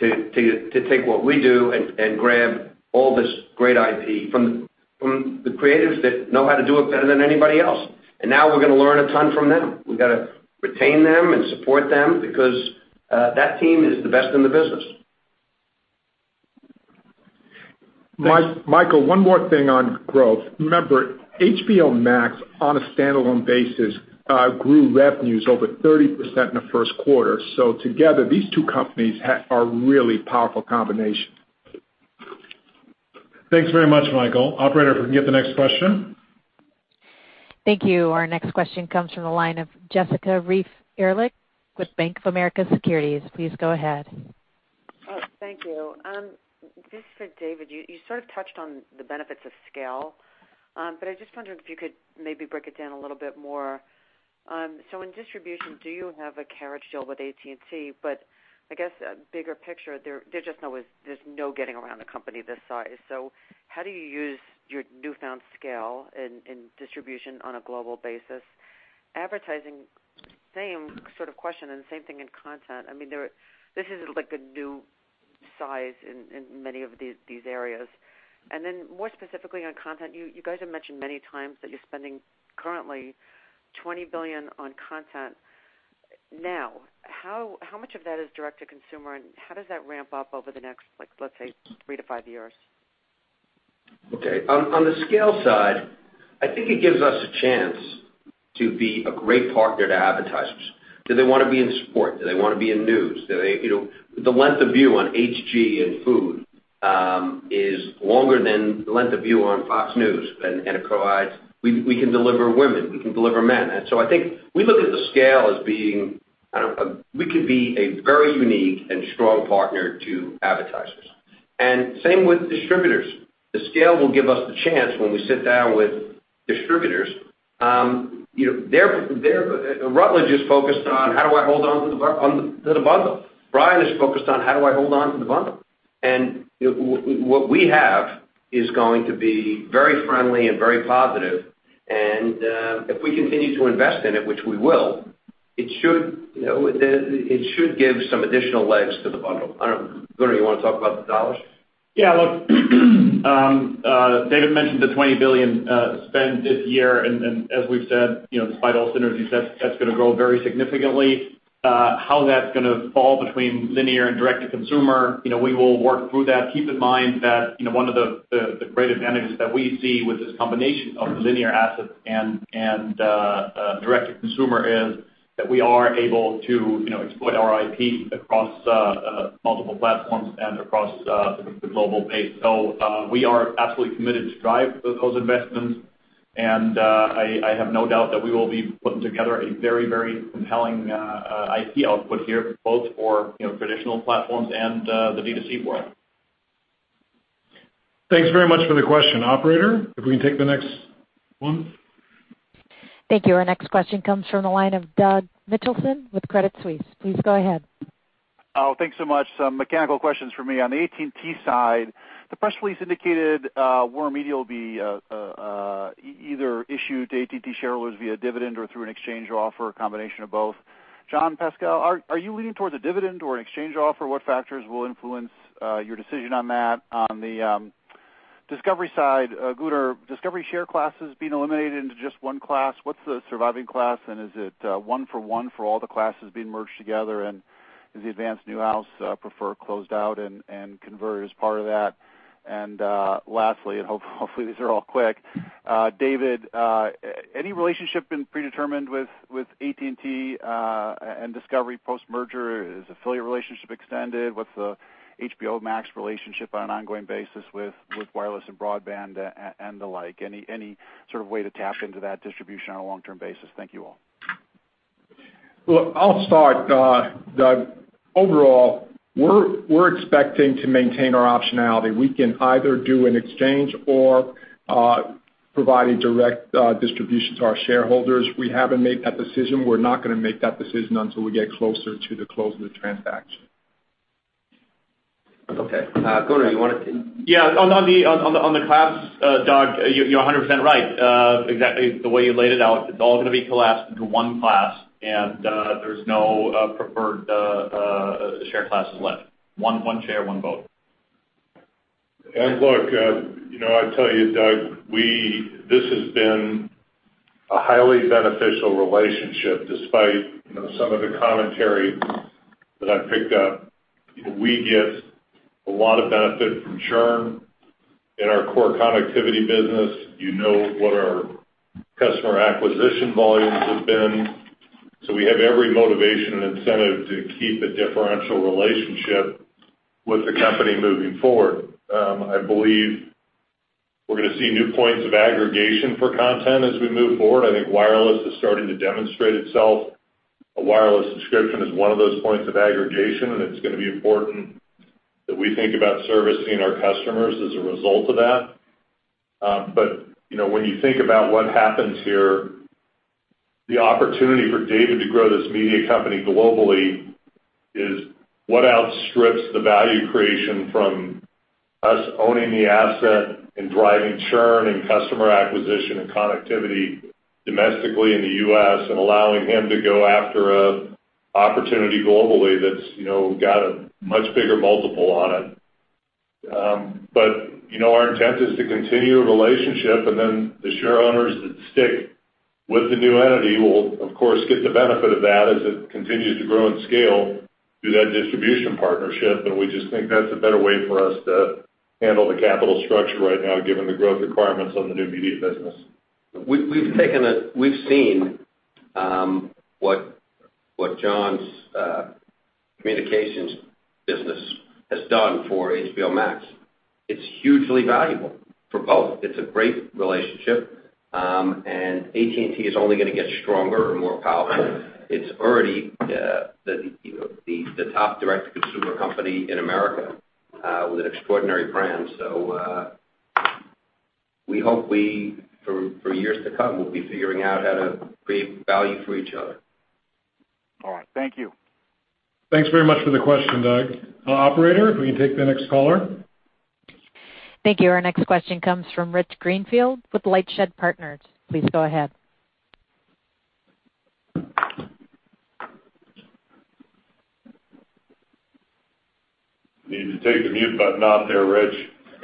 to take what we do and grab all this great IP from. From the creatives that know how to do it better than anybody else. Now we're going to learn a ton from them. We're going to retain them and support them because that team is the best in the business. Michael, one more thing on growth. Remember, HBO Max, on a standalone basis, grew revenues over 30% in the first quarter. Together, these two companies are a really powerful combination. Thanks very much, Michael. Operator, can we get the next question? Thank you. Our next question comes from the line of Jessica Reif Ehrlich with Bank of America Securities. Please go ahead. Thank you. This is for David. You sort of touched on the benefits of scale. I just wonder if you could maybe break it down a little bit more. In distribution, do you have a carriage deal with AT&T? I guess bigger picture there's just no getting around a company this size. How do you use your newfound scale in distribution on a global basis? Advertising, same sort of question, same thing in content. I mean, this isn't like a new size in many of these areas. More specifically on content, you guys have mentioned many times that you're spending currently $20 billion on content. How much of that is direct to consumer, and how does that ramp up over the next, let's say, three to five years? Okay. On the scale side, I think it gives us a chance to be a great partner to advertisers. Do they want to be in sport? Do they want to be in news? The length of view on HG and food is longer than the length of view on Fox News than NBC. We can deliver women, we can deliver men. I think we look at the scale as being we could be a very unique and strong partner to advertisers. Same with distributors. The scale will give us the chance when we sit down with distributors. Rutledge is focused on how do I hold on to the bundle? Brian is focused on how do I hold on to the bundle? What we have is going to be very friendly and very positive. If we continue to invest in it, which we will, it should give some additional legs to the bundle. I don't know, Gunnar, you want to talk about the dollars? Yeah. David mentioned the $20 billion spend this year, as we've said, vital synergies, that is going to grow very significantly. How that is going to fall between linear and direct to consumer, we will work through that. Keep in mind that one of the great advantages that we see with this combination of linear assets and direct to consumer is that we are able to exploit our IP across multiple platforms and across the global base. We are absolutely committed to drive those investments, and I have no doubt that we will be putting together a very, very compelling IP output here, both for traditional platforms and the D2C world. Thanks very much for the question. Operator, if we can take the next one. Thank you. Our next question comes from the line of Doug Mitchelson with Credit Suisse. Please go ahead. Oh, thanks so much. Some mechanical questions for me. On the AT&T side, the press release indicated WarnerMedia will be either issued to AT&T shareholders via dividend or through an exchange offer, a combination of both. John, Pascal, are you leaning towards a dividend or exchange offer? What factors will influence your decision on that? On the Discovery side, Gunnar, Discovery share classes being eliminated into just one class. What's the surviving class, and is it one for one for all the classes being merged together? Is the advance/Newhouse preferred closed out and converted as part of that? Lastly, hopefully these are all quick. David, any relationship been predetermined with AT&T and Discovery post-merger? Is affiliate relationship extended? What's the HBO Max relationship on an ongoing basis with wireless and broadband and the like? Any sort of way to tap into that distribution on a long-term basis? Thank you all. Look, I'll start, Doug. Overall, we're expecting to maintain our optionality. We can either do an exchange or provide a direct distribution to our shareholders. We haven't made that decision. We're not going to make that decision until we get closer to the close of the transaction. Okay. Gunnar. Yeah. On the class, Doug, you're 100% right. Exactly the way you laid it out. It's all going to be collapsed into one class, and there's no preferred share classes left. One share, one vote. Look, I tell you, Doug, this has been a highly beneficial relationship despite some of the commentary that I picked up. We get a lot of benefit from churn in our core connectivity business. You know what our customer acquisition volumes have been. We have every motivation and incentive to keep a differential relationship with the company moving forward. I believe we're going to see new points of aggregation for content as we move forward. Wireless is starting to demonstrate itself. A wireless subscription is one of those points of aggregation, and it's going to be important that we think about servicing our customers as a result of that. When you think about what happens here, the opportunity for David to grow this media company globally is what outstrips the value creation from us owning the asset and driving churn and customer acquisition and connectivity domestically in the U.S. and allowing him to go after an opportunity globally that's got a much bigger multiple on it. Our intent is to continue the relationship, and then the shareowners that stick with the new entity will, of course, get the benefit of that as it continues to grow and scale through that distribution partnership. We just think that's a better way for us to handle the capital structure right now, given the growth requirements on the new media business. We've seen what John's communications business has done for HBO Max. It's hugely valuable for both. It's a great relationship. AT&T is only going to get stronger and more powerful. It's already the top direct consumer company in America with an extraordinary brand. We hope for years to come, we'll be figuring out how to create value for each other. All right. Thank you. Thanks very much for the question, Doug. Operator, if we can take the next caller. Thank you. Our next question comes from Rich Greenfield with LightShed Partners. Please go ahead. You need to take the mute button off there, Rich.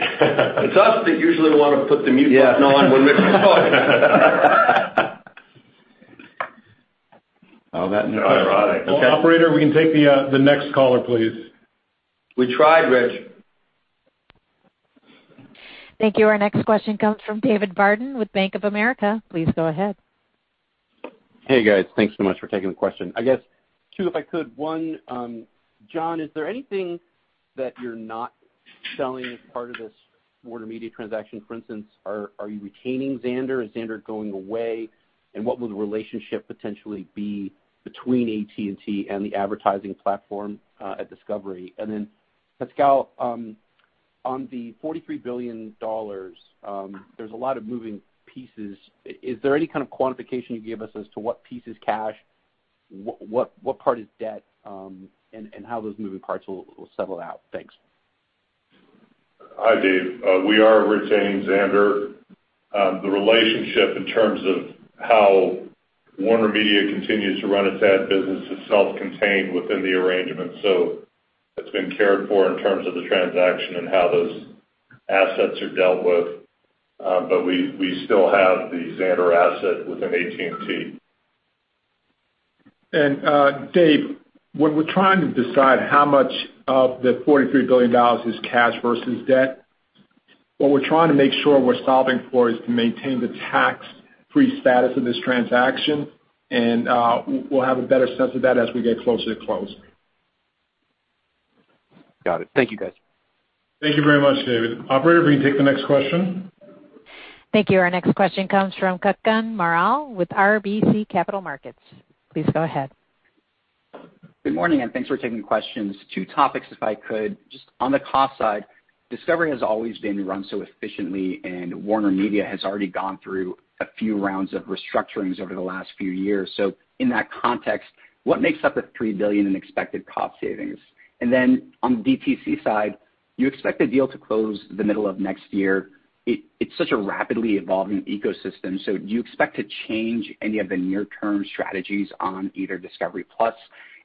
It's us that usually want to put the mute button on when Rich is talking. All right. Okay. Operator, we can take the next caller, please. We tried, Rich. Thank you. Our next question comes from David Barden with Bank of America. Please go ahead. Hey, guys. Thanks so much for taking the question. I guess two, if I could. One, John, is there anything that you're not selling as part of this WarnerMedia transaction? For instance, are you retaining Xandr? Is Xandr going away? What will the relationship potentially be between AT&T and the advertising platform at Discovery? Pascal, on the $43 billion, there's a lot of moving pieces. Is there any kind of quantification you can give us as to what piece is cash, what part is debt, and how those moving parts will settle out? Thanks. Hi, Dave. We are retaining Xandr. The relationship in terms of how WarnerMedia continues to run its ad business is self-contained within the arrangement. It's been cared for in terms of the transaction and how those assets are dealt with. We still have the Xandr asset within AT&T. And Dave, when we're trying to decide how much of the $43 billion is cash versus debt, what we're trying to make sure we're solving for is to maintain the tax-free status of this transaction, and we'll have a better sense of that as we get closer to close. Got it. Thank you, guys. Thank you very much, David. Operator, if we can take the next question. Thank you. Our next question comes from Kutgun Maral with RBC Capital Markets. Please go ahead. Good morning, thanks for taking the questions. Two topics, if I could. Just on the cost side, Discovery has always been run so efficiently, and WarnerMedia has already gone through a few rounds of restructurings over the last few years. In that context, what makes up the $3 billion in expected cost savings? On the DTC side, you expect the deal to close the middle of next year. It's such a rapidly evolving ecosystem, so do you expect to change any of the near-term strategies on either Discovery+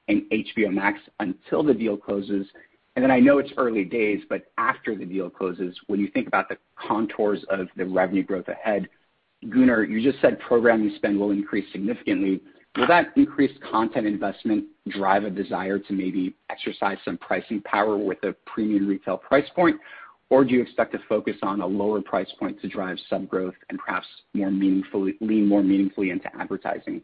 and HBO Max until the deal closes? I know it's early days, but after the deal closes, when you think about the contours of the revenue growth ahead, Gunnar, you just said programming spend will increase significantly. Will that increased content investment drive a desire to maybe exercise some pricing power with a premium retail price point? Or do you expect to focus on a lower price point to drive sub growth and perhaps lean more meaningfully into advertising?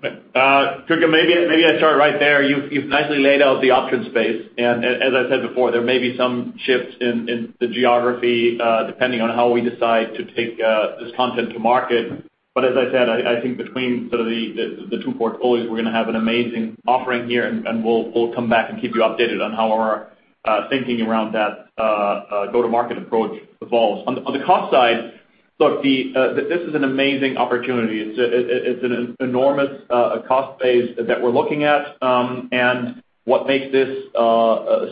Kutgun, maybe I'll start right there. You've nicely laid out the option space. As I said before, there may be some shifts in the geography depending on how we decide to take this content to market. As I said, I think between the two portfolios, we're going to have an amazing offering here, and we'll come back and keep you updated on how our thinking around that go-to-market approach evolves. On the cost side, look, this is an amazing opportunity. It's an enormous cost base that we're looking at. What makes this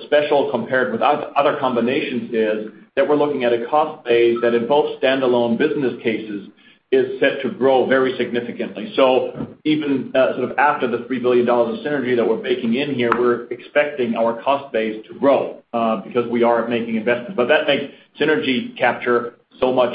special compared with other combinations is that we're looking at a cost base that in both standalone business cases is set to grow very significantly. Even after the $3 billion of synergy that we're baking in here, we're expecting our cost base to grow because we are making investments. That makes synergy capture so much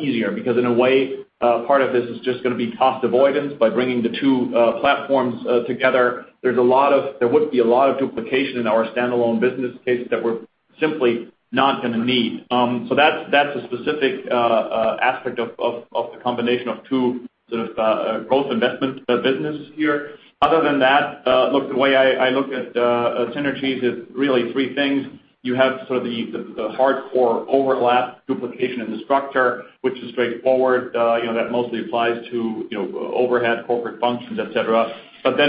easier because in a way, part of this is just going to be cost avoidance by bringing the two platforms together. There would be a lot of duplication in our standalone business cases that we're simply not going to need. That's a specific aspect of the combination of two growth investment businesses here. Other than that, the way I look at synergies is really three things. You have the hardcore overlap duplication in the structure, which is straightforward. That mostly applies to overhead corporate functions, et cetera.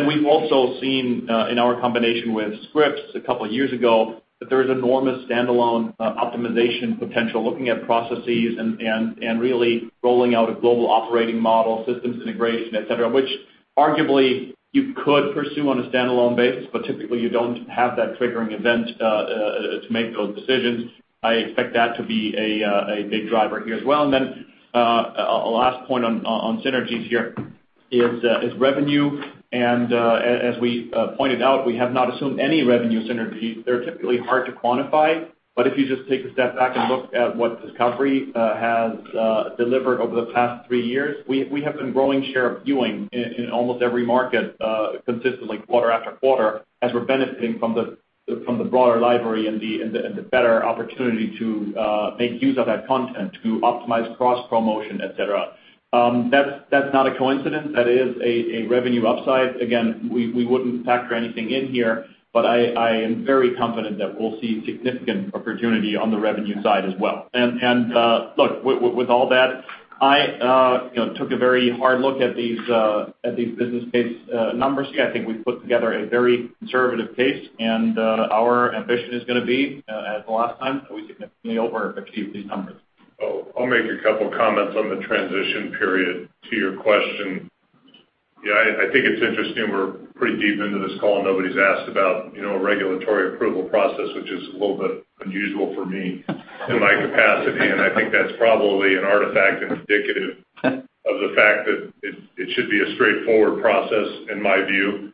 We've also seen in our combination with Scripps a couple of years ago, that there is enormous standalone optimization potential looking at processes and really rolling out a global operating model, systems integration, et cetera, which arguably you could pursue on a standalone basis, but typically you don't have that triggering event to make those decisions. I expect that to be a big driver here as well. Last point on synergies here is revenue. As we pointed out, we have not assumed any revenue synergies. They're typically hard to quantify. If you just take a step back and look at what Discovery has delivered over the past three years, we have been growing share of viewing in almost every market consistently quarter after quarter as we're benefiting from the broader library and the better opportunity to make use of that content to optimize cross-promotion, et cetera. That's not a coincidence. That is a revenue upside. Again, we wouldn't factor anything in here, but I am very confident that we'll see significant opportunity on the revenue side as well. Look, with all that, I took a very hard look at these business case numbers here. I think we put together a very conservative case, and our ambition is going to be, as the last time, that we can lean over and achieve these numbers. I'll make a couple comments on the transition period to your question. Yeah, I think it's interesting we're pretty deep into this call and nobody's asked about regulatory approval process, which is a little bit unusual for me in my capacity. I think that's probably an artifact that's indicative of the fact that it should be a straightforward process in my view.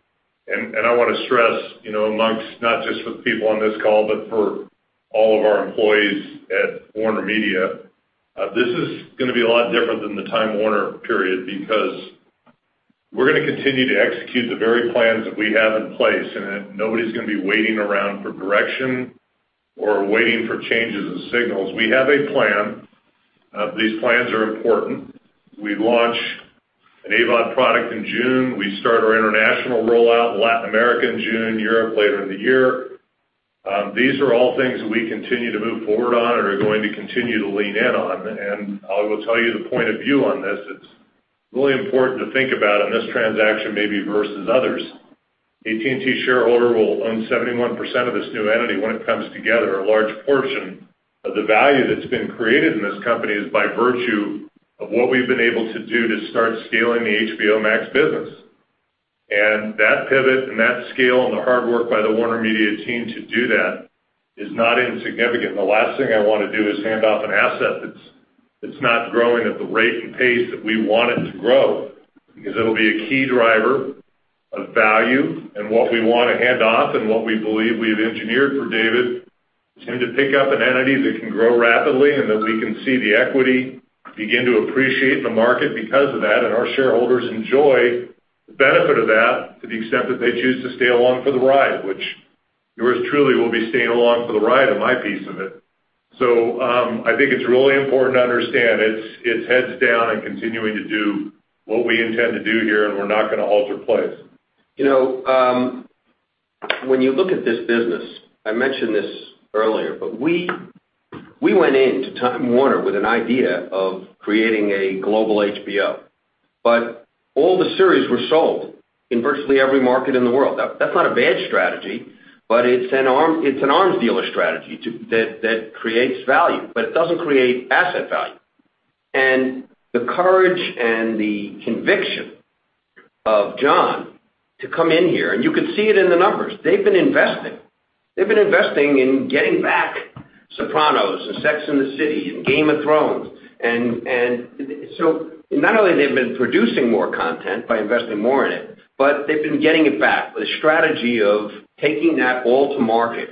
I want to stress amongst, not just with people on this call, but for all of our employees at WarnerMedia, this is going to be a lot different than the Time Warner period because we're going to continue to execute the very plans that we have in place and nobody's going to be waiting around for direction or waiting for changes in signals. We have a plan. These plans are important. We launch an AVOD product in June. We start our international rollout in Latin America in June, Europe later in the year. These are all things that we continue to move forward on and are going to continue to lean in on. I will tell you the point of view on this, it's really important to think about in this transaction maybe versus others. AT&T shareholder will own 71% of this new entity when it comes together. A large portion of the value that's been created in this company is by virtue of what we've been able to do to start scaling the HBO Max business. That pivot and that scale and the hard work by the WarnerMedia team to do that is not insignificant. The last thing I want to do is hand off an asset that's not growing at the rate and pace that we want it to grow because it'll be a key driver of value and what we want to hand off and what we believe we've engineered for David is him to pick up an entity that can grow rapidly and that we can see the equity begin to appreciate the market because of that and our shareholders enjoy the benefit of that to the extent that they choose to stay along for the ride, which yours truly will be staying along for the ride on my piece of it. I think it's really important to understand it's heads down and continuing to do what we intend to do here and we're not going to alter plans. When you look at this business, I mentioned this earlier, we went into Time Warner with an idea of creating a global HBO, all the series were sold in virtually every market in the world. That's not a bad strategy, it's an arms dealer strategy that creates value, it doesn't create asset value. The courage and the conviction of John to come in here, you can see it in the numbers. They've been investing. They've been investing in getting back Sopranos and Sex and the City and Game of Thrones. Not only they've been producing more content by investing more in it, they've been getting it back. The strategy of taking that all to market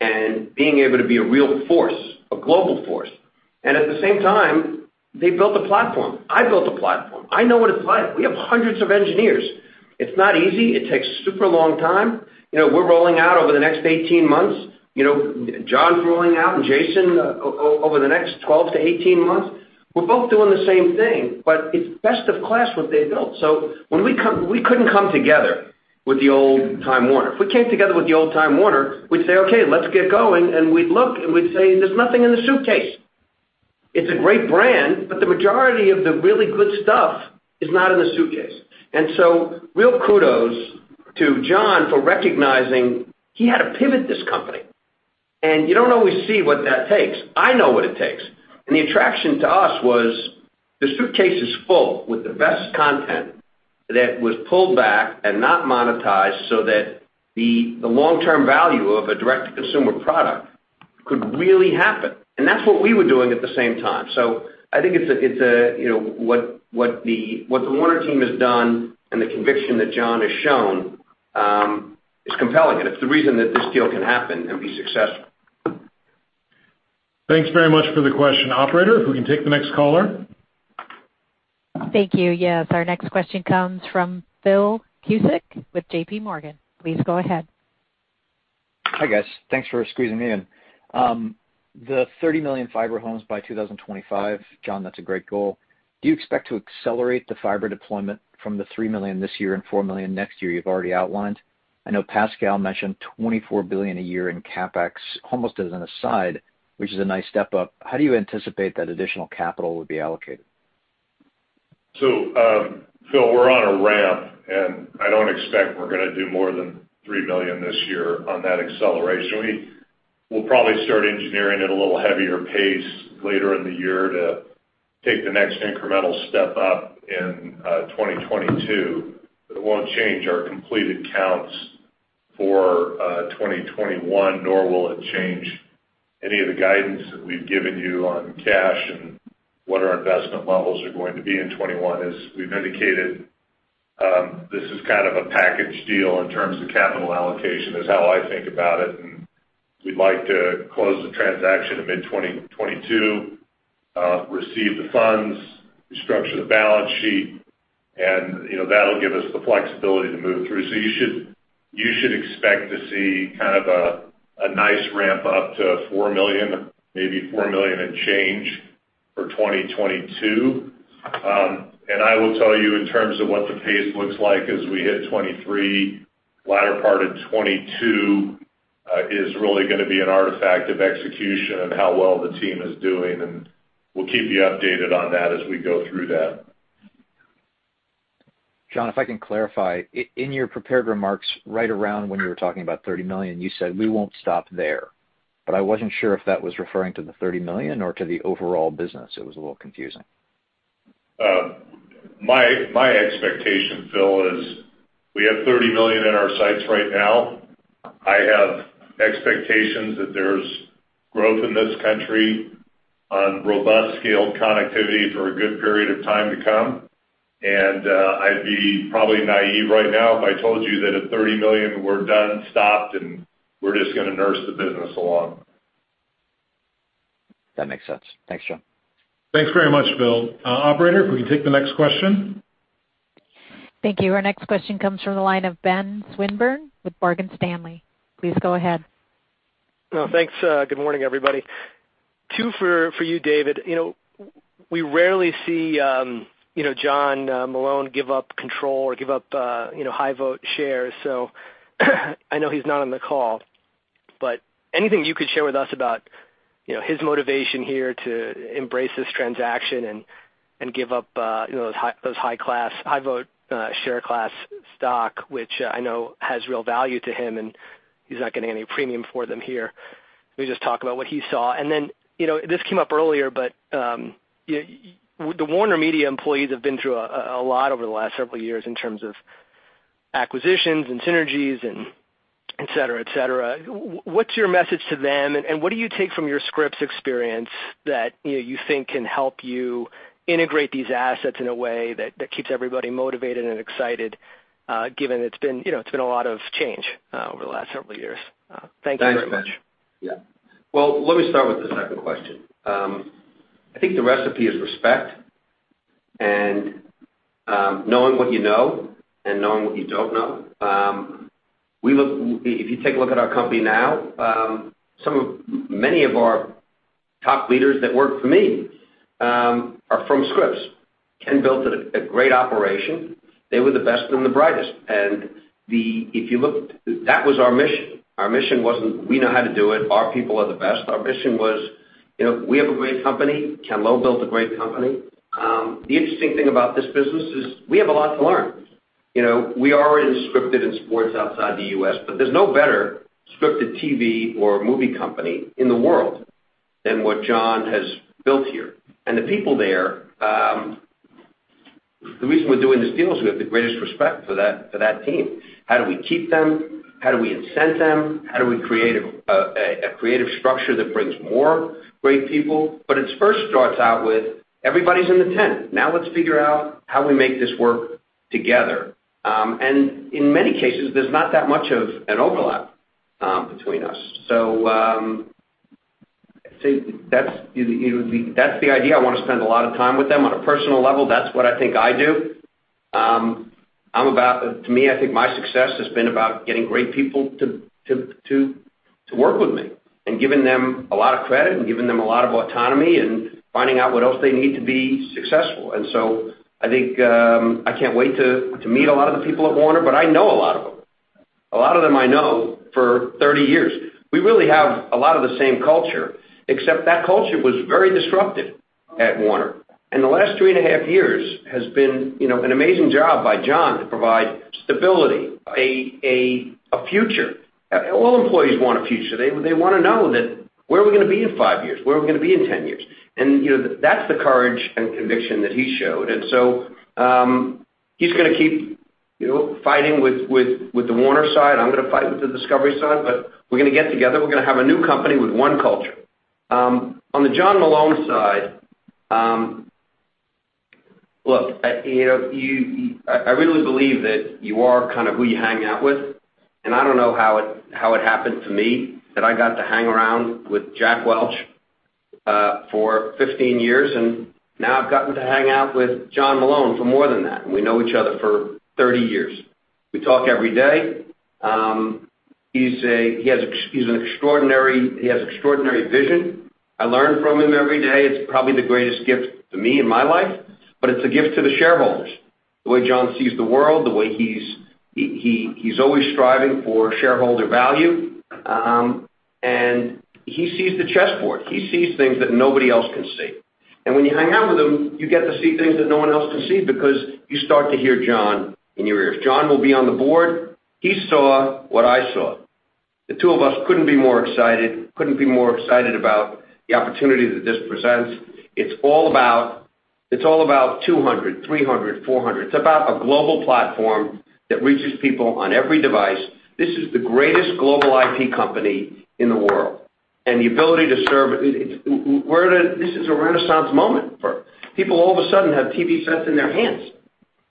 and being able to be a real force, a global force. At the same time, they built a platform. I built a platform. I know what it's like. We have hundreds of engineers. It's not easy. It takes a super long time. We're rolling out over the next 18 months. John's rolling out and Jason over the next 12-18 months. We're both doing the same thing, but it's best of class what they built. We couldn't come together with the old Time Warner. If we came together with the old Time Warner, we'd say, "Okay, let's get going." We'd look and we'd say, "There's nothing in the suitcase." It's a great brand, but the majority of the really good stuff is not in the suitcase. Real kudos to John for recognizing he had to pivot this company. You don't always see what that takes. I know what it takes. The attraction to us was the suitcase is full with the best content that was pulled back and not monetized so that the long-term value of a direct-to-consumer product could really happen. That's what we were doing at the same time. I think what the Warner team has done and the conviction that John has shown is compelling because it's the reason that this deal can happen and be successful. Thanks very much for the question. Operator, if we can take the next color. Thank you. Yeah. Our next question comes from Philip Cusick with JP Morgan. Please go ahead. Hi, guys. Thanks for squeezing me in. The 30 million fiber homes by 2025, John, that's a great goal. Do you expect to accelerate the fiber deployment from the 3 million this year and 4 million next year you've already outlined? I know Pascal mentioned $24 billion a year in CapEx almost as an aside, which is a nice step up. How do you anticipate that additional capital will be allocated? Phil, we're on a ramp and I don't expect we're going to do more than $3 million this year on that acceleration. We'll probably start engineering at a little heavier pace later in the year to take the next incremental step up in 2022. It won't change our completed counts for 2021, nor will it change any of the guidance that we've given you on cash and what our investment levels are going to be in 2021. As we've indicated, this is kind of a package deal in terms of capital allocation, is how I think about it, and we'd like to close the transaction in mid-2022, receive the funds, restructure the balance sheet, and that'll give us the flexibility to move through. You should expect to see a nice ramp-up to $4 million, maybe $4 million in change for 2022. I will tell you in terms of what the pace looks like as we hit 2023, the latter part of 2022 is really going to be an artifact of execution and how well the team is doing, and we'll keep you updated on that as we go through that. John, if I can clarify. In your prepared remarks right around when we were talking about 30 million, you said we won't stop there, but I wasn't sure if that was referring to the 30 million or to the overall business. It was a little confusing. My expectation, Phil, is we have $30 million in our sights right now. I have expectations that there's growth in this country on robust scale connectivity for a good period of time to come. I'd be probably naive right now if I told you that at $30 million, we're done, stopped, and we're just going to nurse the business along. That makes sense. Thanks, John. Thanks very much, Phil. Operator, can we take the next question? Thank you. Our next question comes from the line of Benjamin Swinburne with Morgan Stanley. Please go ahead. Thanks. Good morning, everybody. Two for you, David. We rarely see John Malone give up control or give up high vote shares. I know he's not on the call, but anything you could share with us about his motivation here to embrace this transaction and give up those high vote share class stock, which I know has real value to him, and he's not getting any premium for them here. Can you just talk about what he saw? This came up earlier, but the Warner Media employees have been through a lot over the last several years in terms of acquisitions and synergies and et cetera. What's your message to them, and what do you take from your Scripps experience that you think can help you integrate these assets in a way that keeps everybody motivated and excited given it's been a lot of change over the last several years? Thanks very much. Thanks. Yeah. Well, let me start with the second question. I think the recipe is respect and knowing what you know and knowing what you don't know. If you take a look at our company now, many of our top leaders that work for me are from Scripps and built a great operation. They were the best and the brightest. That was our mission. Our mission wasn't we know how to do it. Our people are the best. Our mission was we have a great company. Ken Lowe built a great company. The interesting thing about this business is we have a lot to learn. We are in scripted and sports outside the U.S., there's no better scripted TV or movie company in the world than what John has built here. The people there, the reason we're doing this deal is we have the greatest respect for that team. How do we keep them? How do we incent them? How do we create a creative structure that brings more great people? It first starts out with everybody's in the tent. Now let's figure out how we make this work together. In many cases, there's not that much of an overlap between us. I'd say that's the idea. I want to spend a lot of time with them on a personal level. That's what I think I do. To me, I think my success has been about getting great people to work with me and giving them a lot of credit and giving them a lot of autonomy and finding out what else they need to be successful. I think I can't wait to meet a lot of the people at Warner, but I know a lot of them. A lot of them I know for 30 years. We really have a lot of the same culture, except that culture was very disruptive at Warner. The last three and a half years has been an amazing job by John to provide stability, a future. All employees want a future. They want to know that where are we going to be in five years? Where are we going to be in 10 years? That's the courage and conviction that he showed. He's going to keep fighting with the Warner side. I'm going to fight with the Discovery side. We're going to get together, we're going to have a new company with one culture. On the John Malone side, look, I really believe that you are kind of who you hang out with, and I don't know how it happened to me that I got to hang around with Jack Welch for 15 years, and now I've gotten to hang out with John Malone for more than that. We know each other for 30 years. We talk every day. He has extraordinary vision. I learn from him every day. It's probably the greatest gift to me in my life, but it's a gift to the shareholders. The way John sees the world, the way he's always striving for shareholder value and he sees the chessboard. He sees things that nobody else can see. When you hang out with him, you get to see things that no one else can see because you start to hear John in your ears. John will be on the board. He saw what I saw. The two of us couldn't be more excited about the opportunity that this presents. It's all about 200, 300, 400. It's about a global platform that reaches people on every device. This is the greatest global IP company in the world, and the ability to serve. This is a renaissance moment for people all of a sudden have TV sets in their hands.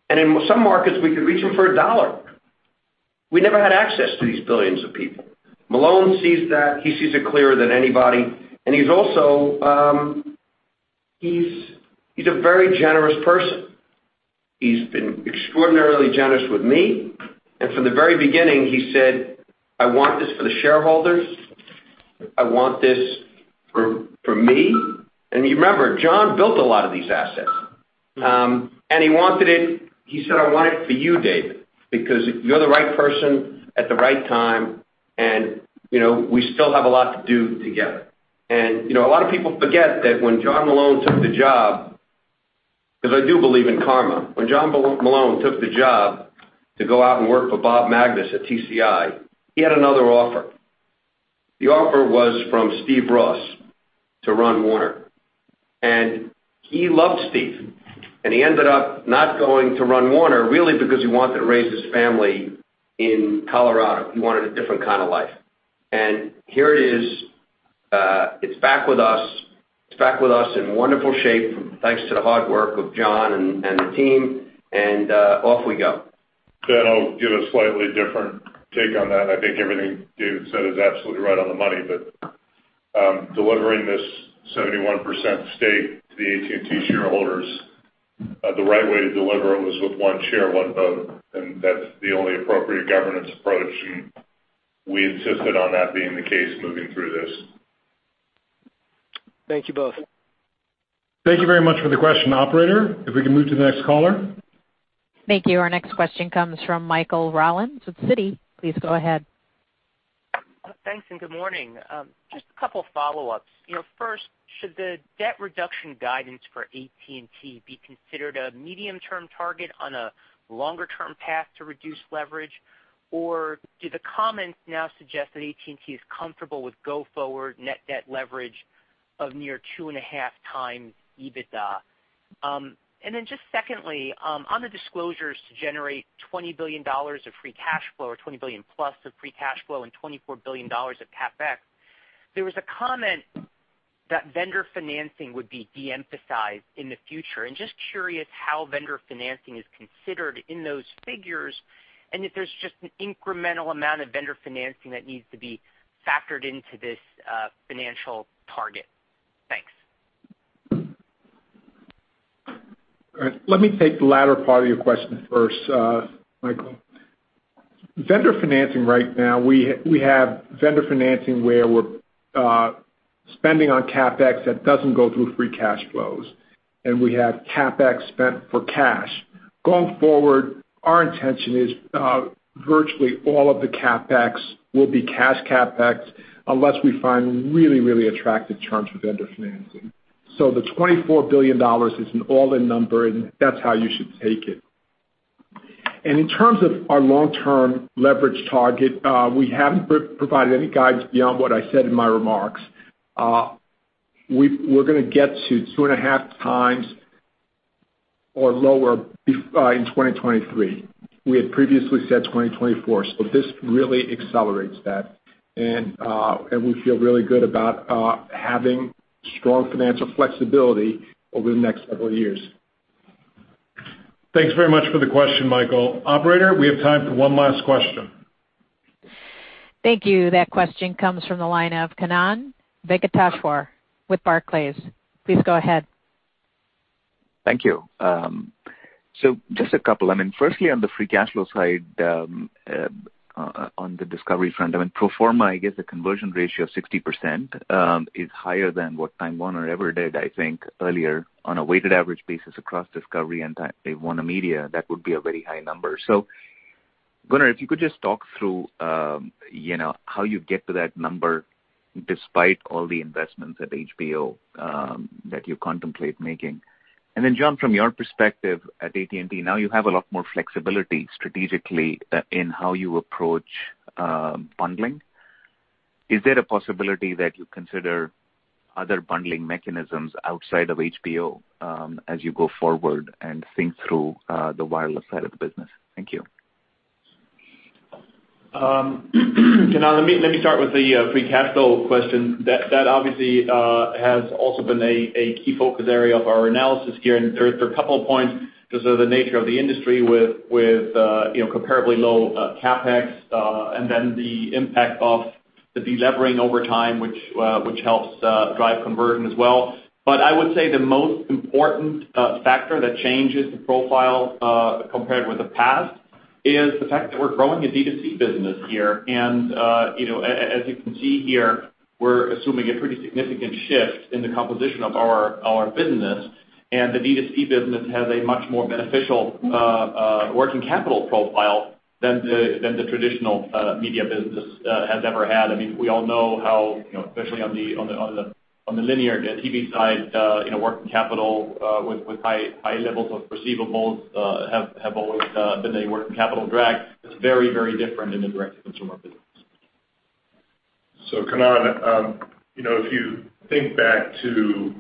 In some markets, we can reach them for $1. We never had access to these billions of people. Malone sees that. He sees it clearer than anybody, and he's also a very generous person. He's been extraordinarily generous with me. From the very beginning, he said, "I want this for the shareholders. I want this for me." You remember, John built a lot of these assets. He wanted it. He said, "I want it for you, David, because you're the right person at the right time, and we still have a lot to do together." A lot of people forget that when John Malone took the job, because I do believe in karma. When John Malone took the job to go out and work for Bob Magness at TCI, he had another offer. The offer was from Steve Ross to run Warner, and he loves Steve, and he ended up not going to run Warner, really because he wanted to raise his family in Colorado. He wanted a different kind of life. Here it is, it's back with us. It's back with us in wonderful shape, thanks to the hard work of John and the team, and off we go. I'll give a slightly different take on that. I think everything Dave said is absolutely right on the money, but delivering this 71% stake to the AT&T shareholders, the right way to deliver it was with one share, one vote, and that's the only appropriate governance approach, and we insisted on that being the case moving through this. Thank you both. Thank you very much for the question, operator. If we can move to the next caller. Thank you. Our next question comes from Michael Rollins with Citi. Please go ahead. Thanks. Good morning. Just a couple follow-ups. First, should the debt reduction guidance for AT&T be considered a medium-term target on a longer-term path to reduce leverage? Do the comments now suggest that AT&T is comfortable with go-forward net debt leverage of near two and a half times EBITDA? Just secondly, on the disclosures to generate $20 billion of free cash flow or $20 billion-plus of free cash flow and $24 billion of CapEx, there was a comment that vendor financing would be de-emphasized in the future. I'm just curious how vendor financing is considered in those figures and if there's just an incremental amount of vendor financing that needs to be factored into this financial target. Thanks. Let me take the latter part of your question first, Michael. Vendor financing right now, we have vendor financing where we're spending on CapEx that doesn't go through free cash flows, and we have CapEx spent for cash. Going forward, our intention is virtually all of the CapEx will be cash CapEx unless we find really attractive terms with vendor financing. The $24 billion is an all-in number, and that's how you should take it. In terms of our long-term leverage target, we haven't provided any guidance beyond what I said in my remarks. We're going to get to 2.5x or lower in 2023. We had previously said 2024. This really accelerates that, and we feel really good about having strong financial flexibility over the next couple of years. Thanks very much for the question, Michael. Operator, we have time for one last question. Thank you. That question comes from the line of Kannan Venkateshwar for with Barclays. Please go ahead. Thank you. Just a couple. I mean, firstly, on the free cash flow side, on the Discovery front, I mean, pro forma, I guess the conversion ratio of 60% is higher than what Time Warner ever did, I think, earlier on a weighted average basis across Discovery and Time WarnerMedia, that would be a very high number. Gunnar, if you could just talk through how you get to that number despite all the investments at HBO that you contemplate making. Then, John, from your perspective at AT&T, now you have a lot more flexibility strategically in how you approach bundling. Is there a possibility that you consider other bundling mechanisms outside of HBO as you go forward and think through the wireless side of the business? Thank you. Kannan, let me start with the free cash flow question. That obviously has also been a key focus area of our analysis here, there are a couple of points just of the nature of the industry with comparably low CapEx and then the impact of the delevering over time, which helps drive conversion as well. I would say the most important factor that changes the profile, compared with the past, is the fact that we're growing a D2C business here. As you can see here, we're assuming a pretty significant shift in the composition of our business, the D2C business has a much more beneficial working capital profile than the traditional media business has ever had. I mean, we all know how, especially on the linear TV side, working capital with high levels of receivables have always been a working capital drag. It’s very different in the direct-to-consumer business. Kannan, if you think back to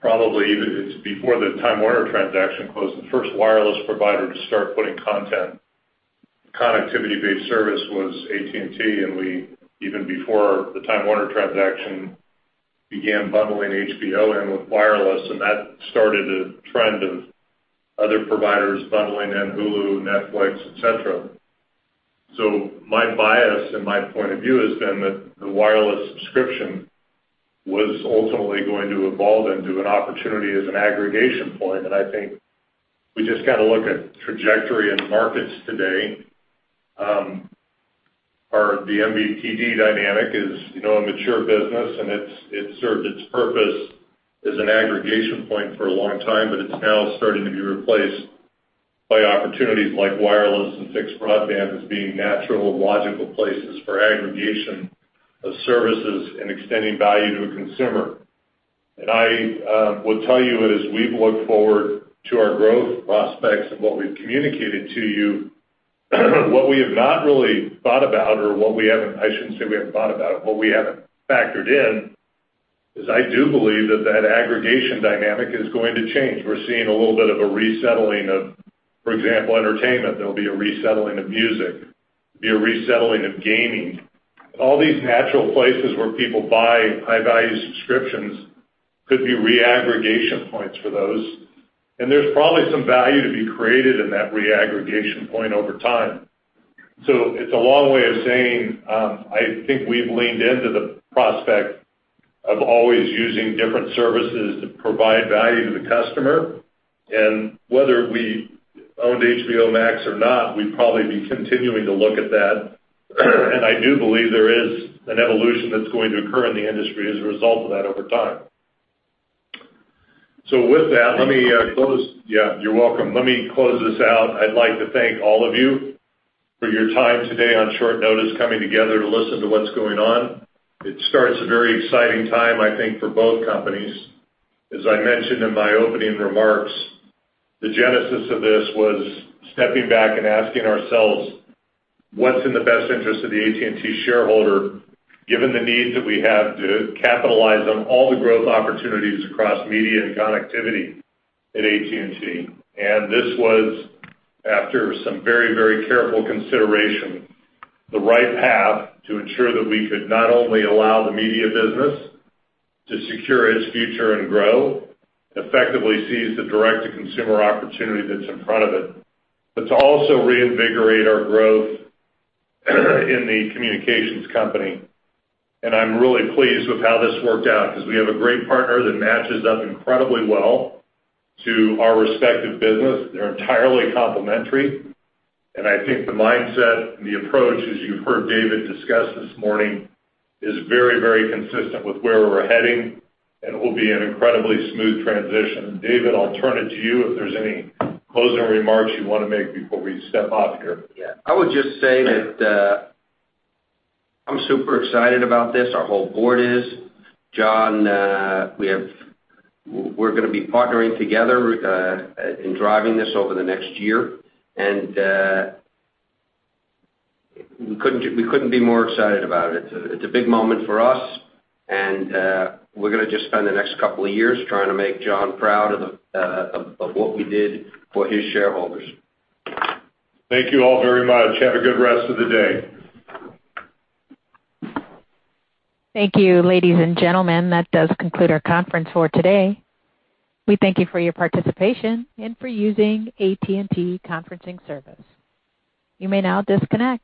probably even before the Time Warner transaction closed, the first wireless provider to start putting content connectivity-based service was AT&T, and we, even before the Time Warner transaction, began bundling HBO in with wireless, and that started a trend of other providers bundling in Hulu, Netflix, et cetera. My bias and my point of view has been that the wireless subscription was ultimately going to evolve into an opportunity as an aggregation point, and I think we just got to look at trajectory in the markets today. The MVPD dynamic is a mature business, and it served its purpose as an aggregation point for a long time, but it's now starting to be replaced by opportunities like wireless and fixed broadband as being natural and logical places for aggregation of services and extending value to a consumer. I will tell you, as we've looked forward to our growth prospects and what we've communicated to you, what we have not really thought about or what we haven't factored in is I do believe that that aggregation dynamic is going to change. We're seeing a little bit of a resettling of, for example, entertainment. There'll be a resettling of music, be a resettling of gaming. All these natural places where people buy high-value subscriptions could be reaggregation points for those. There's probably some value to be created in that reaggregation point over time. It's a long way of saying, I think we've leaned into the prospect of always using different services to provide value to the customer. Whether we owned HBO Max or not, we'd probably be continuing to look at that. I do believe there is an evolution that's going to occur in the industry as a result of that over time. With that, let me close. Yeah, you're welcome. Let me close this out. I'd like to thank all of you for your time today on short notice, coming together to listen to what's going on. It starts a very exciting time, I think, for both companies. As I mentioned in my opening remarks, the genesis of this was stepping back and asking ourselves, what's in the best interest of the AT&T shareholder, given the needs that we have to capitalize on all the growth opportunities across media and connectivity at AT&T. This was after some very careful consideration, the right path to ensure that we could not only allow the media business to secure its future and grow, effectively seize the direct-to-consumer opportunity that's in front of it, but to also reinvigorate our growth in the communications company. I'm really pleased with how this worked out because we have a great partner that matches up incredibly well to our respective business. They're entirely complementary, and I think the mindset and the approach, as you've heard David discuss this morning, is very consistent with where we're heading, and it will be an incredibly smooth transition. David, I'll turn it to you if there's any closing remarks you want to make before we step off here. I would just say that I'm super excited about this. Our whole board is. John, we're going to be partnering together in driving this over the next year. We couldn't be more excited about it. It's a big moment for us. We're going to just spend the next couple of years trying to make John proud of what we did for his shareholders. Thank you all very much. Have a good rest of the day. Thank you, ladies and gentlemen. That does conclude our conference for today. We thank you for your participation and for using AT&T Conferencing Service. You may now disconnect.